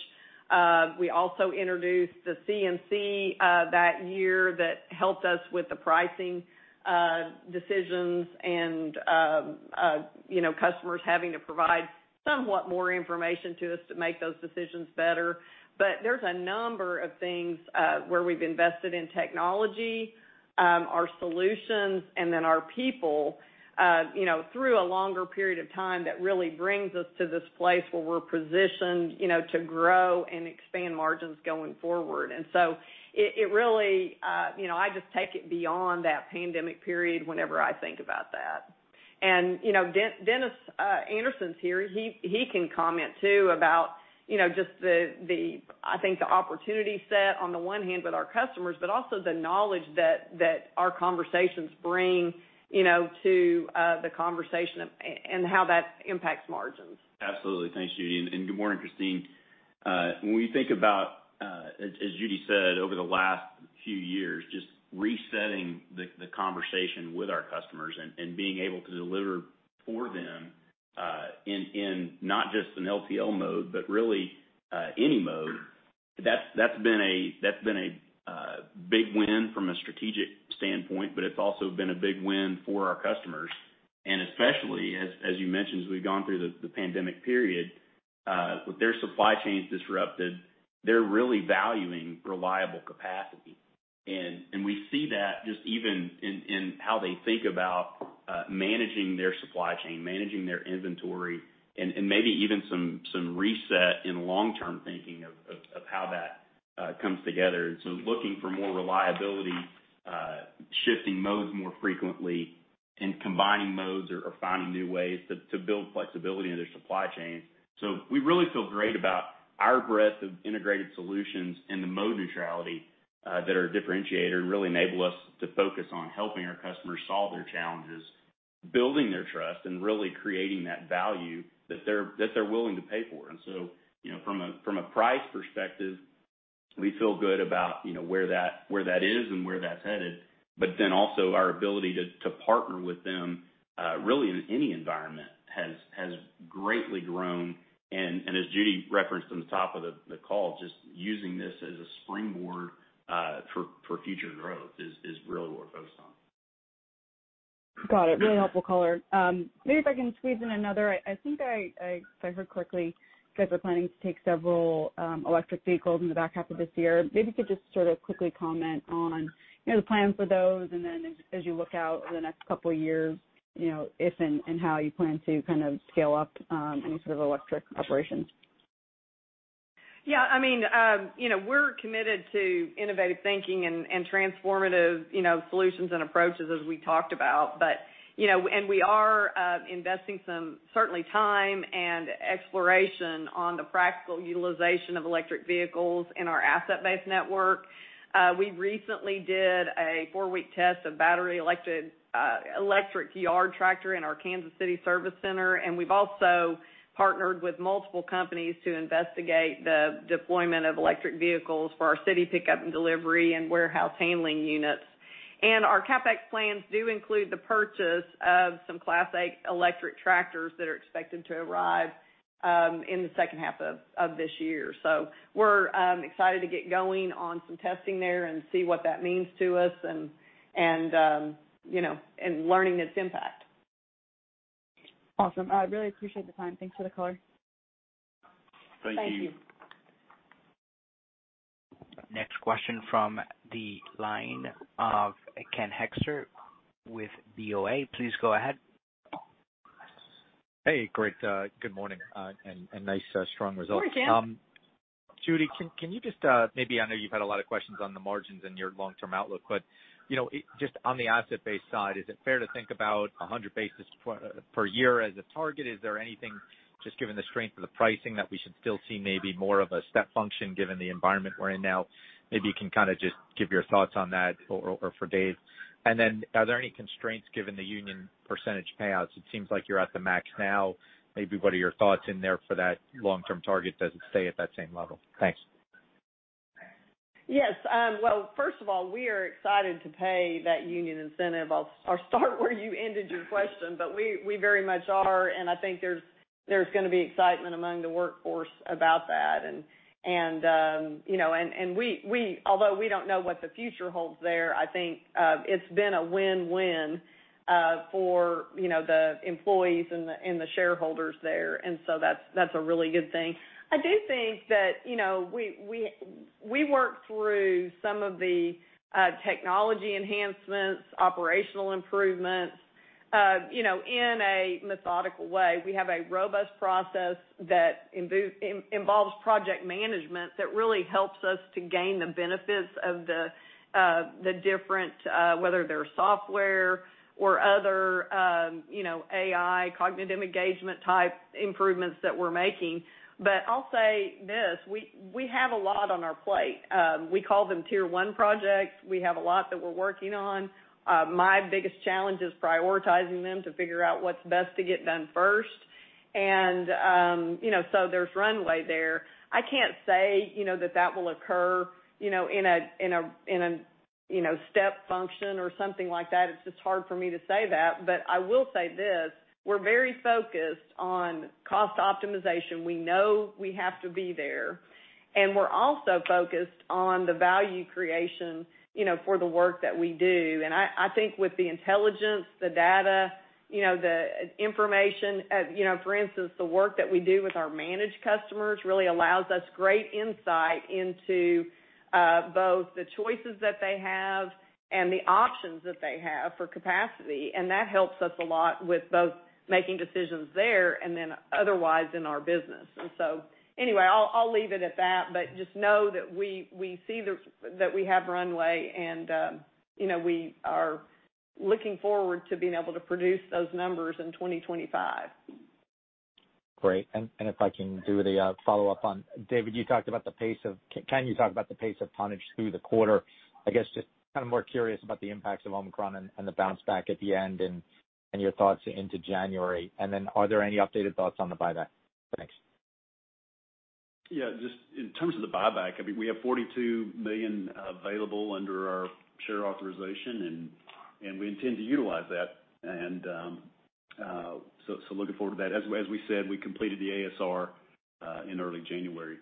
We also introduced the CMC that year that helped us with the pricing decisions and, you know, customers having to provide somewhat more information to us to make those decisions better. There's a number of things where we've invested in technology, our solutions and then our people, you know, through a longer period of time that really brings us to this place where we're positioned, you know, to grow and expand margins going forward. It really, you know, I just take it beyond that pandemic period whenever I think about that. You know, Dennis Anderson's here. He can comment too about, you know, just the, I think the opportunity set on the one hand with our customers, but also the knowledge that our conversations bring, you know, to the conversation and how that impacts margins. Absolutely. Thanks, Judy, and good morning, Christine. When we think about, as Judy said, over the last few years, just resetting the conversation with our customers and being able to deliver for them, in not just an LTL mode, but really, any mode, that's been a big win from a strategic standpoint, but it's also been a big win for our customers. Especially as you mentioned, as we've gone through the pandemic period, with their supply chains disrupted, they're really valuing reliable capacity. We see that just even in how they think about managing their supply chain, managing their inventory, and maybe even some reset in long-term thinking of how that comes together. Looking for more reliability, shifting modes more frequently and combining modes or finding new ways to build flexibility in their supply chains. We really feel great about our breadth of integrated solutions and the mode neutrality that are differentiated, really enable us to focus on helping our customers solve their challenges, building their trust, and really creating that value that they're willing to pay for. You know, from a price perspective, we feel good about, you know, where that is and where that's headed. Also our ability to partner with them really in any environment has greatly grown. As Judy referenced on the top of the call, just using this as a springboard for future growth is really what we're focused on. Got it. Really helpful color. Maybe if I can squeeze in another. I think if I heard correctly, you guys are planning to take several electric vehicles in the back half of this year. Maybe you could just sort of quickly comment on, you know, the plan for those and then as you look out over the next couple of years, you know, if and how you plan to kind of scale up any sort of electric operations. Yeah, I mean, you know, we're committed to innovative thinking and transformative, you know, solutions and approaches as we talked about. You know, we are investing some certainly time and exploration on the practical utilization of electric vehicles in our asset-based network. We recently did a four-week test of electric yard tractor in our Kansas City service center, and we've also partnered with multiple companies to investigate the deployment of electric vehicles for our city pickup and delivery and warehouse handling units. Our CapEx plans do include the purchase of some Class 8 electric tractors that are expected to arrive in the second half of this year. We're excited to get going on some testing there and see what that means to us and learning its impact. Awesome. I really appreciate the time. Thanks for the color. Thank you. Next question from the line of Ken Hoexter with BofA. Please go ahead. Hey, great, good morning and nice strong results. Morning, Ken. Judy, can you just maybe I know you've had a lot of questions on the margins and your long-term outlook, but you know, just on the asset base side, is it fair to think about 100 basis points per year as a target? Is there anything just given the strength of the pricing that we should still see maybe more of a step function given the environment we're in now? Maybe you can kind of just give your thoughts on that or for Dave. Then are there any constraints given the union percentage payouts? It seems like you're at the max now. Maybe what are your thoughts in there for that long-term target? Does it stay at that same level? Thanks. Yes. Well, first of all, we are excited to pay that union incentive. I'll start where you ended your question, but we very much are, and I think there's gonna be excitement among the workforce about that. Although we don't know what the future holds there, I think it's been a win-win for you know, the employees and the shareholders there. That's a really good thing. I do think that you know, we work through some of the technology enhancements, operational improvements you know, in a methodical way. We have a robust process that involves project management that really helps us to gain the benefits of the different, whether they're software or other, you know, AI, cognitive engagement type improvements that we're making. I'll say this, we have a lot on our plate. We call them tier one projects. We have a lot that we're working on. My biggest challenge is prioritizing them to figure out what's best to get done first. You know, there's runway there. I can't say, you know, that will occur, you know, in a step function or something like that. It's just hard for me to say that. I will say this, we're very focused on cost optimization. We know we have to be there. We're also focused on the value creation, you know, for the work that we do. I think with the intelligence, the data, you know, the information, you know, for instance, the work that we do with our managed customers really allows us great insight into both the choices that they have and the options that they have for capacity. That helps us a lot with both making decisions there and then otherwise in our business. Anyway, I'll leave it at that, but just know that we see that we have runway and, you know, we are looking forward to being able to produce those numbers in 2025. Great. If I can do the follow-up on Ken, you talked about the pace of tonnage through the quarter. I guess just kind of more curious about the impacts of Omicron and the bounce back at the end and your thoughts into January. Are there any updated thoughts on the buyback? Thanks. Yeah. Just in terms of the buyback, I mean, we have 42 million available under our share authorization, and we intend to utilize that. Looking forward to that. As we said, we completed the ASR in early January.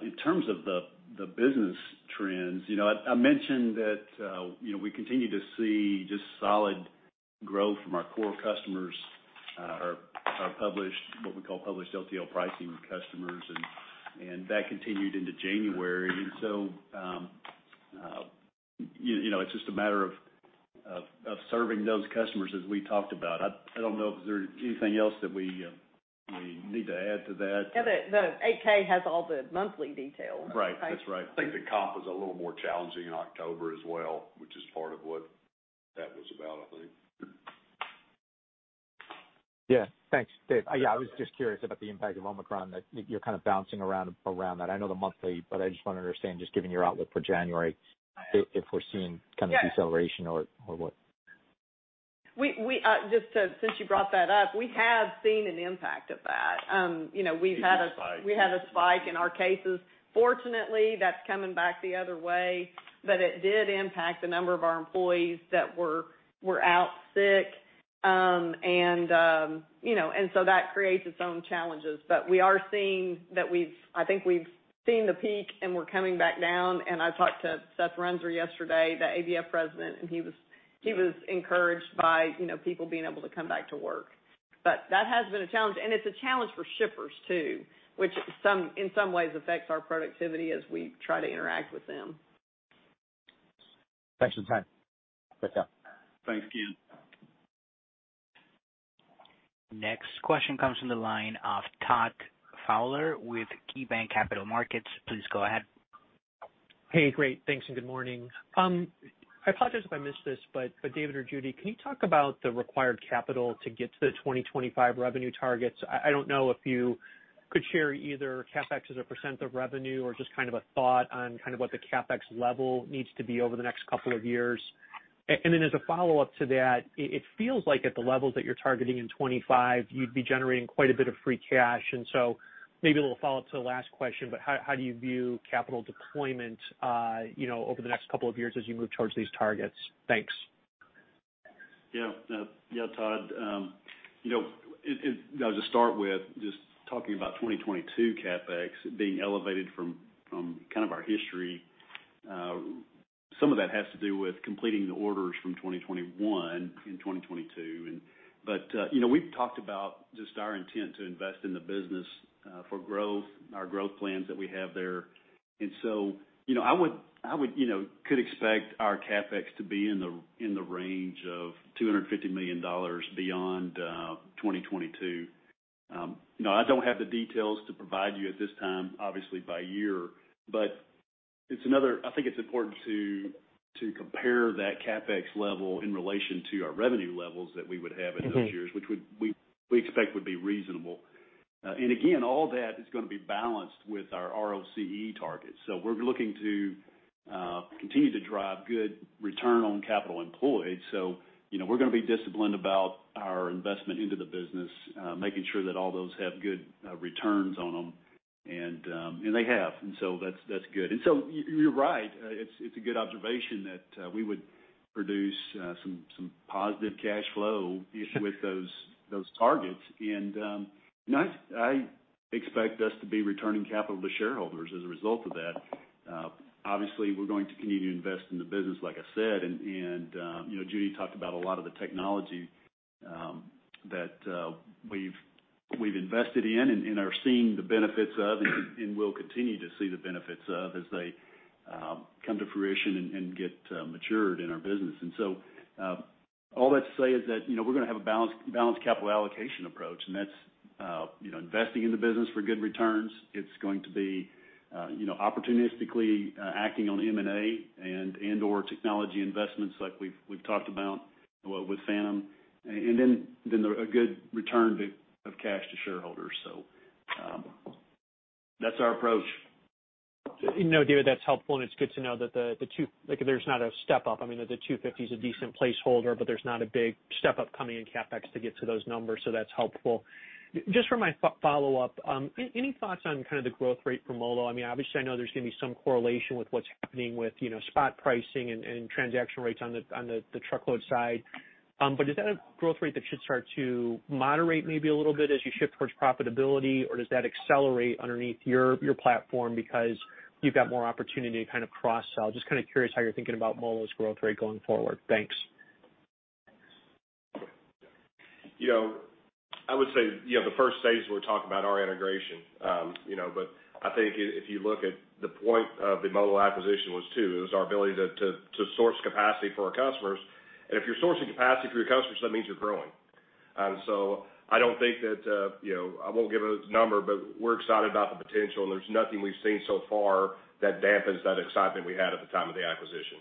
In terms of the business trends, you know, I mentioned that, you know, we continue to see just solid growth from our core customers, our published, what we call published LTL pricing customers and that continued into January. You know, it's just a matter of serving those customers as we talked about. I don't know if there's anything else that we need to add to that. Yeah. The 8-K has all the monthly details. Right. That's right. I think the comp was a little more challenging in October as well, which is part of what that was about, I think. Yeah. Thanks, Dave. Yeah, I was just curious about the impact of Omicron that you're kind of bouncing around around that. I know the monthly, but I just want to understand just giving your outlook for January if we're seeing kind of deceleration or what. Since you brought that up, we have seen an impact of that. You know, we've had a- We've seen a spike. We had a spike in our cases. Fortunately, that's coming back the other way, but it did impact the number of our employees that were out sick. That creates its own challenges. We are seeing that. I think we've seen the peak, and we're coming back down. I talked to Seth Runser yesterday, the ABF president, and he was encouraged by, you know, people being able to come back to work. That has been a challenge, and it's a challenge for shippers too, which in some ways affects our productivity as we try to interact with them. Thanks for the time. Good job. Thanks, Ken. Next question comes from the line of Todd Fowler with KeyBanc Capital Markets. Please go ahead. Hey, great. Thanks, and good morning. I apologize if I missed this, but David or Judy, can you talk about the required capital to get to the 2025 revenue targets? I don't know if you could share either CapEx as a % of revenue or just kind of a thought on kind of what the CapEx level needs to be over the next couple of years. Then as a follow-up to that, it feels like at the levels that you're targeting in 2025, you'd be generating quite a bit of free cash. Maybe a little follow-up to the last question, but how do you view capital deployment, you know, over the next couple of years as you move towards these targets? Thanks. Yeah. Yeah, Todd. You know, I'll just start with just talking about 2022 CapEx being elevated from kind of our history. Some of that has to do with completing the orders from 2021 in 2022. You know, we've talked about just our intent to invest in the business, for growth, our growth plans that we have there. You know, I would know, could expect our CapEx to be in the range of $250 million beyond 2022. You know, I don't have the details to provide you at this time, obviously by year, but I think it's important to compare that CapEx level in relation to our revenue levels that we would have in those years. We expect would be reasonable. Again, all that is gonna be balanced with our ROCE targets. We're looking to continue to drive good return on capital employed. You know, we're gonna be disciplined about our investment into the business, making sure that all those have good returns on them. They have, so that's good. You're right, it's a good observation that we would produce some positive cash flow. Sure. With those targets. I expect us to be returning capital to shareholders as a result of that. Obviously, we're going to continue to invest in the business, like I said, and you know, Judy talked about a lot of the technology that we've invested in and are seeing the benefits of and will continue to see the benefits of as they come to fruition and get matured in our business. All that to say is that you know, we're gonna have a balanced capital allocation approach, and that's you know, investing in the business for good returns. It's going to be you know, opportunistically acting on M&A and/or technology investments like we've talked about with Phantom. a good return of cash to shareholders. That's our approach. No, David, that's helpful, and it's good to know that the two fifty is a decent placeholder, but there's not a big step up coming in CapEx to get to those numbers, so that's helpful. Just for my follow-up, any thoughts on kind of the growth rate for MoLo? I mean, obviously I know there's gonna be some correlation with what's happening with, you know, spot pricing and transaction rates on the truckload side. But is that a growth rate that should start to moderate maybe a little bit as you shift towards profitability, or does that accelerate underneath your platform because you've got more opportunity to kind of cross-sell? Just kind of curious how you're thinking about MoLo's growth rate going forward. Thanks. You know, I would say, you know, the first stage we're talking about our integration. You know, but I think if you look at the point of the MoLo acquisition was to, it was our ability to source capacity for our customers. If you're sourcing capacity for your customers, that means you're growing. I don't think that, you know, I won't give a number, but we're excited about the potential, and there's nothing we've seen so far that dampens that excitement we had at the time of the acquisition.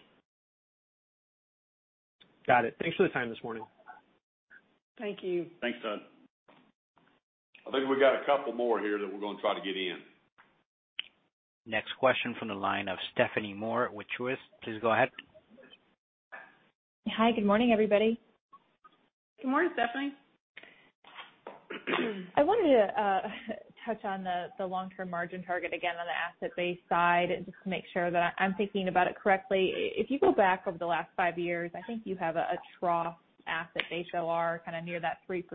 Got it. Thanks for the time this morning. Thank you. Thanks, Todd. I think we got a couple more here that we're gonna try to get in. Next question from the line of Stephanie Moore with Truist. Please go ahead. Hi. Good morning, everybody. Good morning, Stephanie. I wanted to touch on the long-term margin target again on the asset-based side, just to make sure that I'm thinking about it correctly. If you go back over the last five years, I think you have a trough asset OR kind of near that 3%,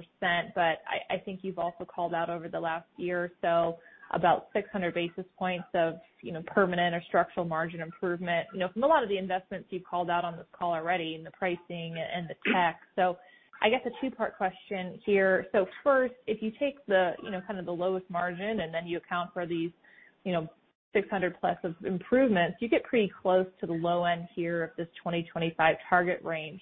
but I think you've also called out over the last year or so about 600 basis points of, you know, permanent or structural margin improvement, you know, from a lot of the investments you've called out on this call already and the pricing and the tech. I guess a two-part question here. First, if you take the, you know, kind of the lowest margin, and then you account for these, you know, 600+ of improvements, you get pretty close to the low end here of this 2025 target range.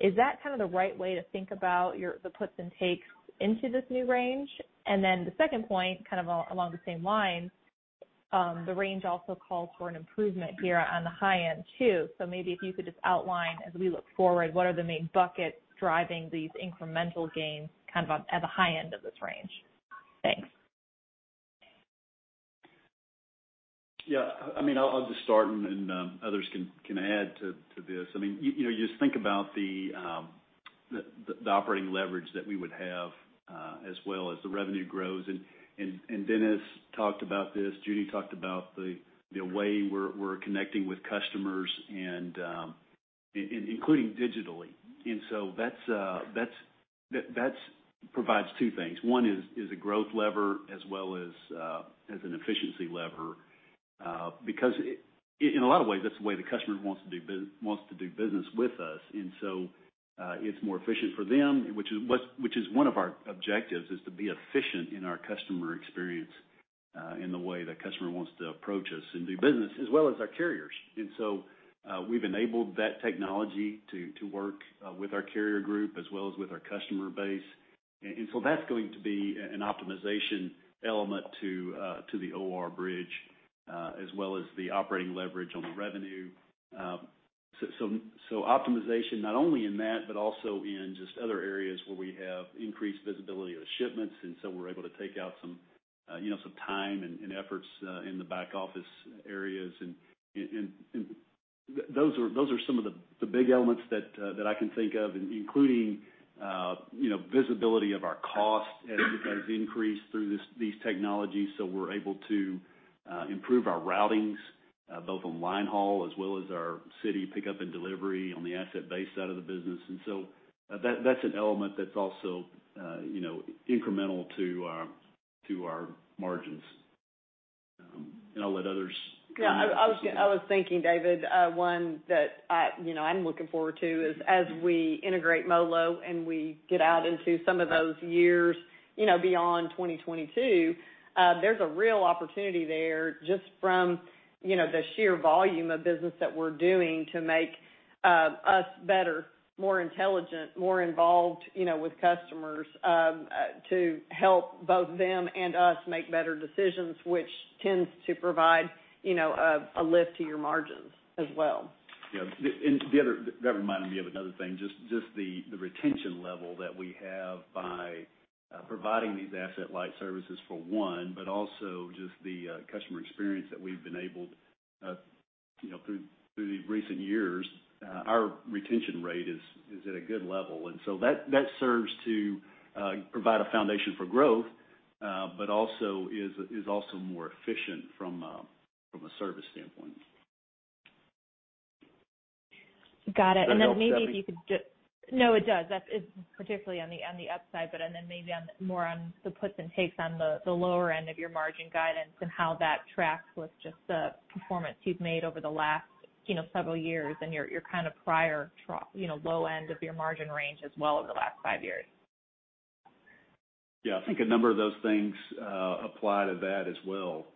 Is that kind of the right way to think about your, the puts and takes into this new range? Then the second point, kind of along the same line, the range also calls for an improvement here on the high end too. Maybe if you could just outline, as we look forward, what are the main buckets driving these incremental gains kind of on at the high end of this range? Thanks. Yeah. I mean, I'll just start and others can add to this. I mean, you know, just think about the operating leverage that we would have as well as the revenue grows. Dennis talked about this. Judy talked about the way we're connecting with customers and including digitally. That provides two things. One is a growth lever as well as an efficiency lever. Because in a lot of ways, that's the way the customer wants to do business with us. It's more efficient for them, which is one of our objectives, to be efficient in our customer experience, in the way the customer wants to approach us and do business, as well as our carriers. We've enabled that technology to work with our carrier group as well as with our customer base. That's going to be an optimization element to the OR bridge, as well as the operating leverage on the revenue. Optimization not only in that but also in just other areas where we have increased visibility of the shipments, we're able to take out some, you know, some time and efforts, in the back office areas. Those are some of the big elements that I can think of, including you know, visibility of our costs has increased through these technologies, so we're able to improve our routings both on line haul as well as our city pickup and delivery on the asset-based side of the business. That's an element that's also you know, incremental to our margins. I'll let others- Yeah, I was thinking, David, one that I'm looking forward to is as we integrate MoLo and we get out into some of those years, you know, beyond 2022, there's a real opportunity there just from, you know, the sheer volume of business that we're doing to make us better, more intelligent, more involved, you know, with customers, to help both them and us make better decisions, which tends to provide, you know, a lift to your margins as well. Yeah. The other thing that reminded me of another thing, just the retention level that we have by providing these asset-light services for one, but also just the customer experience that we've been able, you know, through these recent years. Our retention rate is at a good level. That serves to provide a foundation for growth, but also is more efficient from a service standpoint. Got it. Does that help, Stephanie? That is particularly on the upside, but then maybe more on the puts and takes on the lower end of your margin guidance and how that tracks with just the performance you've made over the last, you know, several years and your kind of prior trough, you know, low end of your margin range as well over the last five years. Yeah. I think a number of those things apply to that as well.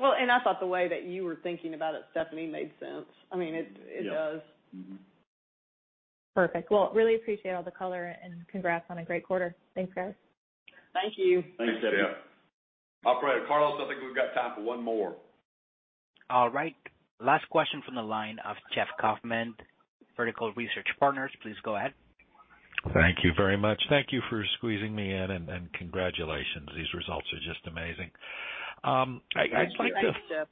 Well, I thought the way that you were thinking about it, Stephanie, made sense. I mean, it does. Yeah. Perfect. Well, really appreciate all the color and congrats on a great quarter. Thanks, guys. Thank you. Thanks, Stephanie. Operator, Carlos, I think we've got time for one more. All right. Last question from the line of Jeff Kauffman, Vertical Research Partners. Please go ahead. Thank you very much. Thank you for squeezing me in, and congratulations. These results are just amazing. I'd like to- Thank you.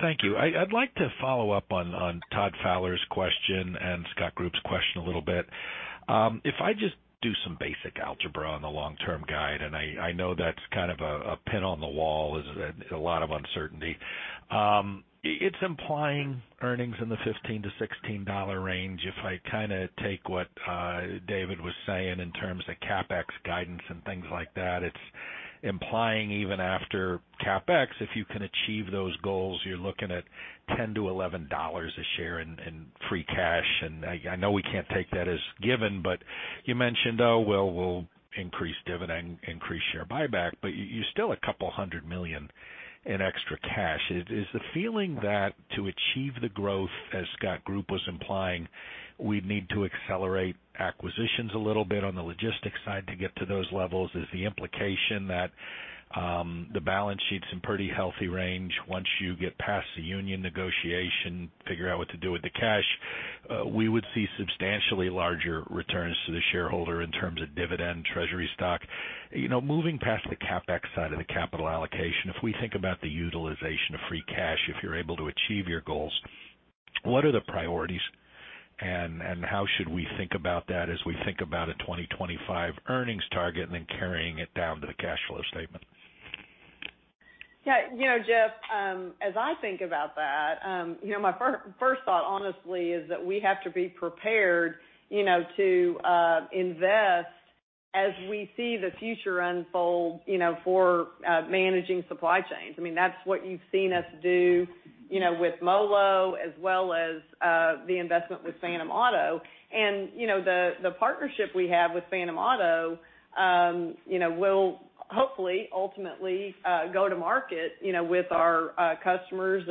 Thank you. I'd like to follow up on Todd Fowler's question and Scott Group's question a little bit. If I just do some basic algebra on the long-term guide, I know that's kind of a pin on the wall. There's a lot of uncertainty. It's implying earnings in the $15-$16 range. If I kinda take what David was saying in terms of CapEx guidance and things like that, it's implying even after CapEx, if you can achieve those goals, you're looking at $10-$11 a share in free cash. I know we can't take that as given, but you mentioned, oh, well, we'll increase dividend, increase share buyback, but you still a couple hundred million in extra cash. Is the feeling that to achieve the growth, as Scott Group was implying, we need to accelerate acquisitions a little bit on the logistics side to get to those levels? Is the implication that the balance sheet's in pretty healthy range once you get past the union negotiation, figure out what to do with the cash, we would see substantially larger returns to the shareholder in terms of dividend treasury stock. You know, moving past the CapEx side of the capital allocation, if we think about the utilization of free cash, if you're able to achieve your goals, what are the priorities and how should we think about that as we think about a 2025 earnings target and then carrying it down to the cash flow statement? Yeah, you know, Jeff, as I think about that, you know, my first thought honestly is that we have to be prepared, you know, to invest as we see the future unfold, you know, for managing supply chains. I mean, that's what you've seen us do, you know, with MoLo as well as the investment with Phantom Auto. You know, the partnership we have with Phantom Auto, you know, will hopefully ultimately go to market, you know, with our customers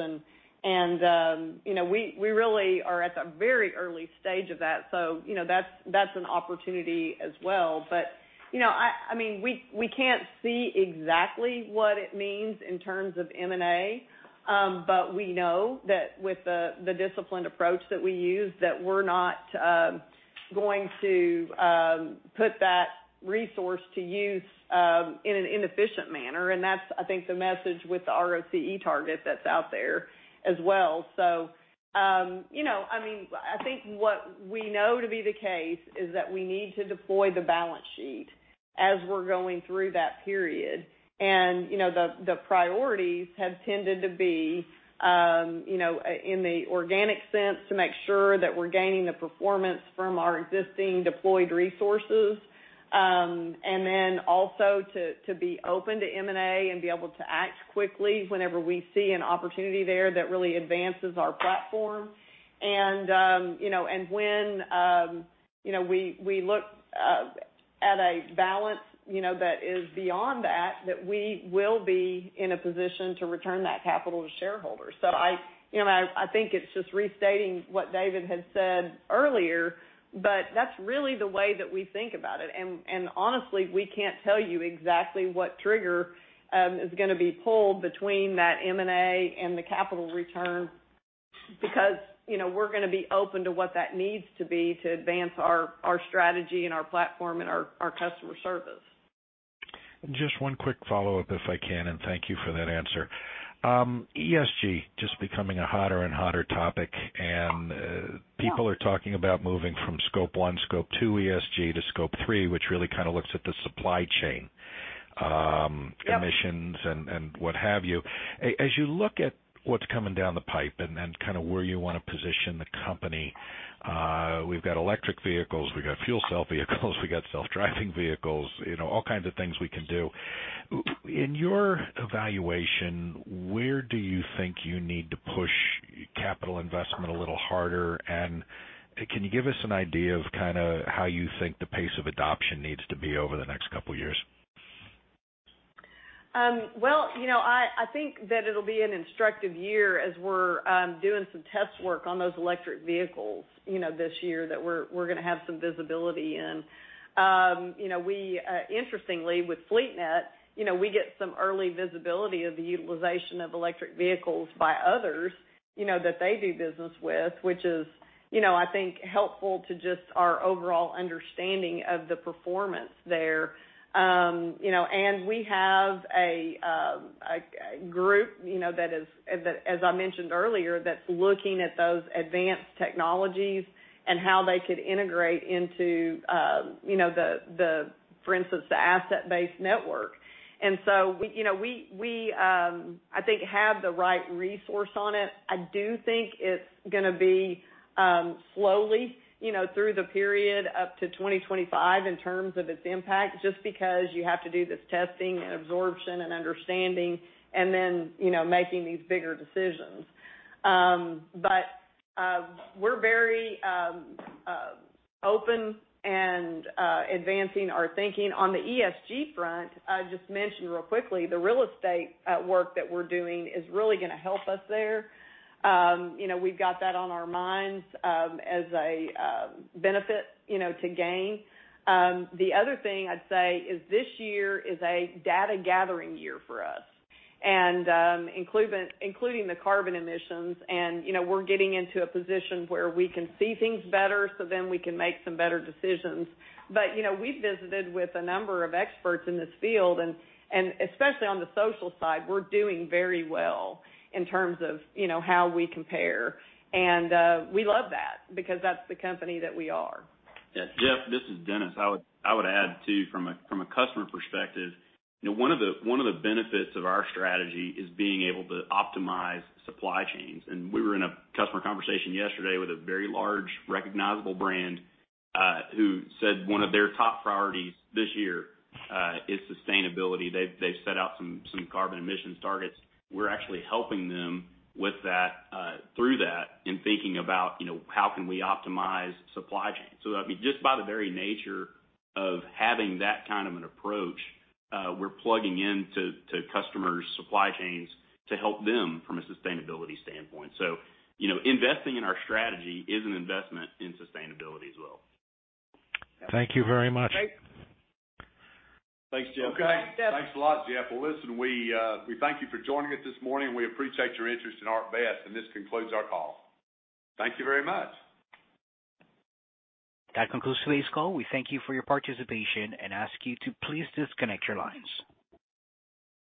and, you know, we really are at the very early stage of that. You know, that's an opportunity as well. You know, I mean, we can't see exactly what it means in terms of M&A, but we know that with the disciplined approach that we use, that we're not going to put that resource to use in an inefficient manner. That's, I think, the message with the ROCE target that's out there as well. You know, I mean, I think what we know to be the case is that we need to deploy the balance sheet as we're going through that period. You know, the priorities have tended to be in the organic sense, to make sure that we're gaining the performance from our existing deployed resources. To be open to M&A and be able to act quickly whenever we see an opportunity there that really advances our platform. You know, when we look at a balance that is beyond that, we will be in a position to return that capital to shareholders. I, you know, think it's just restating what David had said earlier, but that's really the way that we think about it. Honestly, we can't tell you exactly what trigger is gonna be pulled between that M&A and the capital return because, you know, we're gonna be open to what that needs to be to advance our strategy and our platform and our customer service. Just one quick follow-up, if I can, and thank you for that answer. ESG just becoming a hotter and hotter topic, and Yeah People are talking about moving from Scope 1, Scope 2 ESG to Scope 3, which really kinda looks at the supply chain emissions and what have you. As you look at what's coming down the pipe and then kind of where you wanna position the company, we've got electric vehicles, we've got fuel cell vehicles, we've got self-driving vehicles, you know, all kinds of things we can do. In your evaluation, where do you think you need to push capital investment a little harder? Can you give us an idea of kinda how you think the pace of adoption needs to be over the next couple years? Well, you know, I think that it'll be an instructive year as we're doing some test work on those electric vehicles, you know, this year that we're gonna have some visibility in. You know, we, interestingly, with FleetNet, you know, we get some early visibility of the utilization of electric vehicles by others, you know, that they do business with, which is, you know, I think, helpful to just our overall understanding of the performance there. You know, we have a group, you know, that, as I mentioned earlier, that's looking at those advanced technologies and how they could integrate into, you know, for instance, the asset-based network. We, you know, I think, have the right resource on it. I do think it's gonna be slowly, you know, through the period up to 2025 in terms of its impact, just because you have to do this testing and absorption and understanding and then, you know, making these bigger decisions. But we're very open and advancing our thinking. On the ESG front, I just mention really quickly, the real estate work that we're doing is really gonna help us there. You know, we've got that on our minds as a benefit, you know, to gain. The other thing I'd say is this year is a data gathering year for us, and including the carbon emissions. You know, we're getting into a position where we can see things better, so then we can make some better decisions. You know, we visited with a number of experts in this field, and especially on the social side, we're doing very well in terms of, you know, how we compare. We love that because that's the company that we are. Yeah. Jeff, this is Dennis. I would add too from a customer perspective, you know, one of the benefits of our strategy is being able to optimize supply chains. We were in a customer conversation yesterday with a very large recognizable brand, who said one of their top priorities this year is sustainability. They've set out some carbon emissions targets. We're actually helping them with that through that in thinking about, you know, how can we optimize supply chains. I mean, just by the very nature of having that kind of an approach, we're plugging into customers' supply chains to help them from a sustainability standpoint. You know, investing in our strategy is an investment in sustainability as well. Thank you very much. Okay. Thanks, Jeff. Bye, Jeff. Okay. Thanks a lot, Jeff. Well, listen, we thank you for joining us this morning. We appreciate your interest in ArcBest, and this concludes our call. Thank you very much. That concludes today's call. We thank you for your participation and ask you to please disconnect your lines.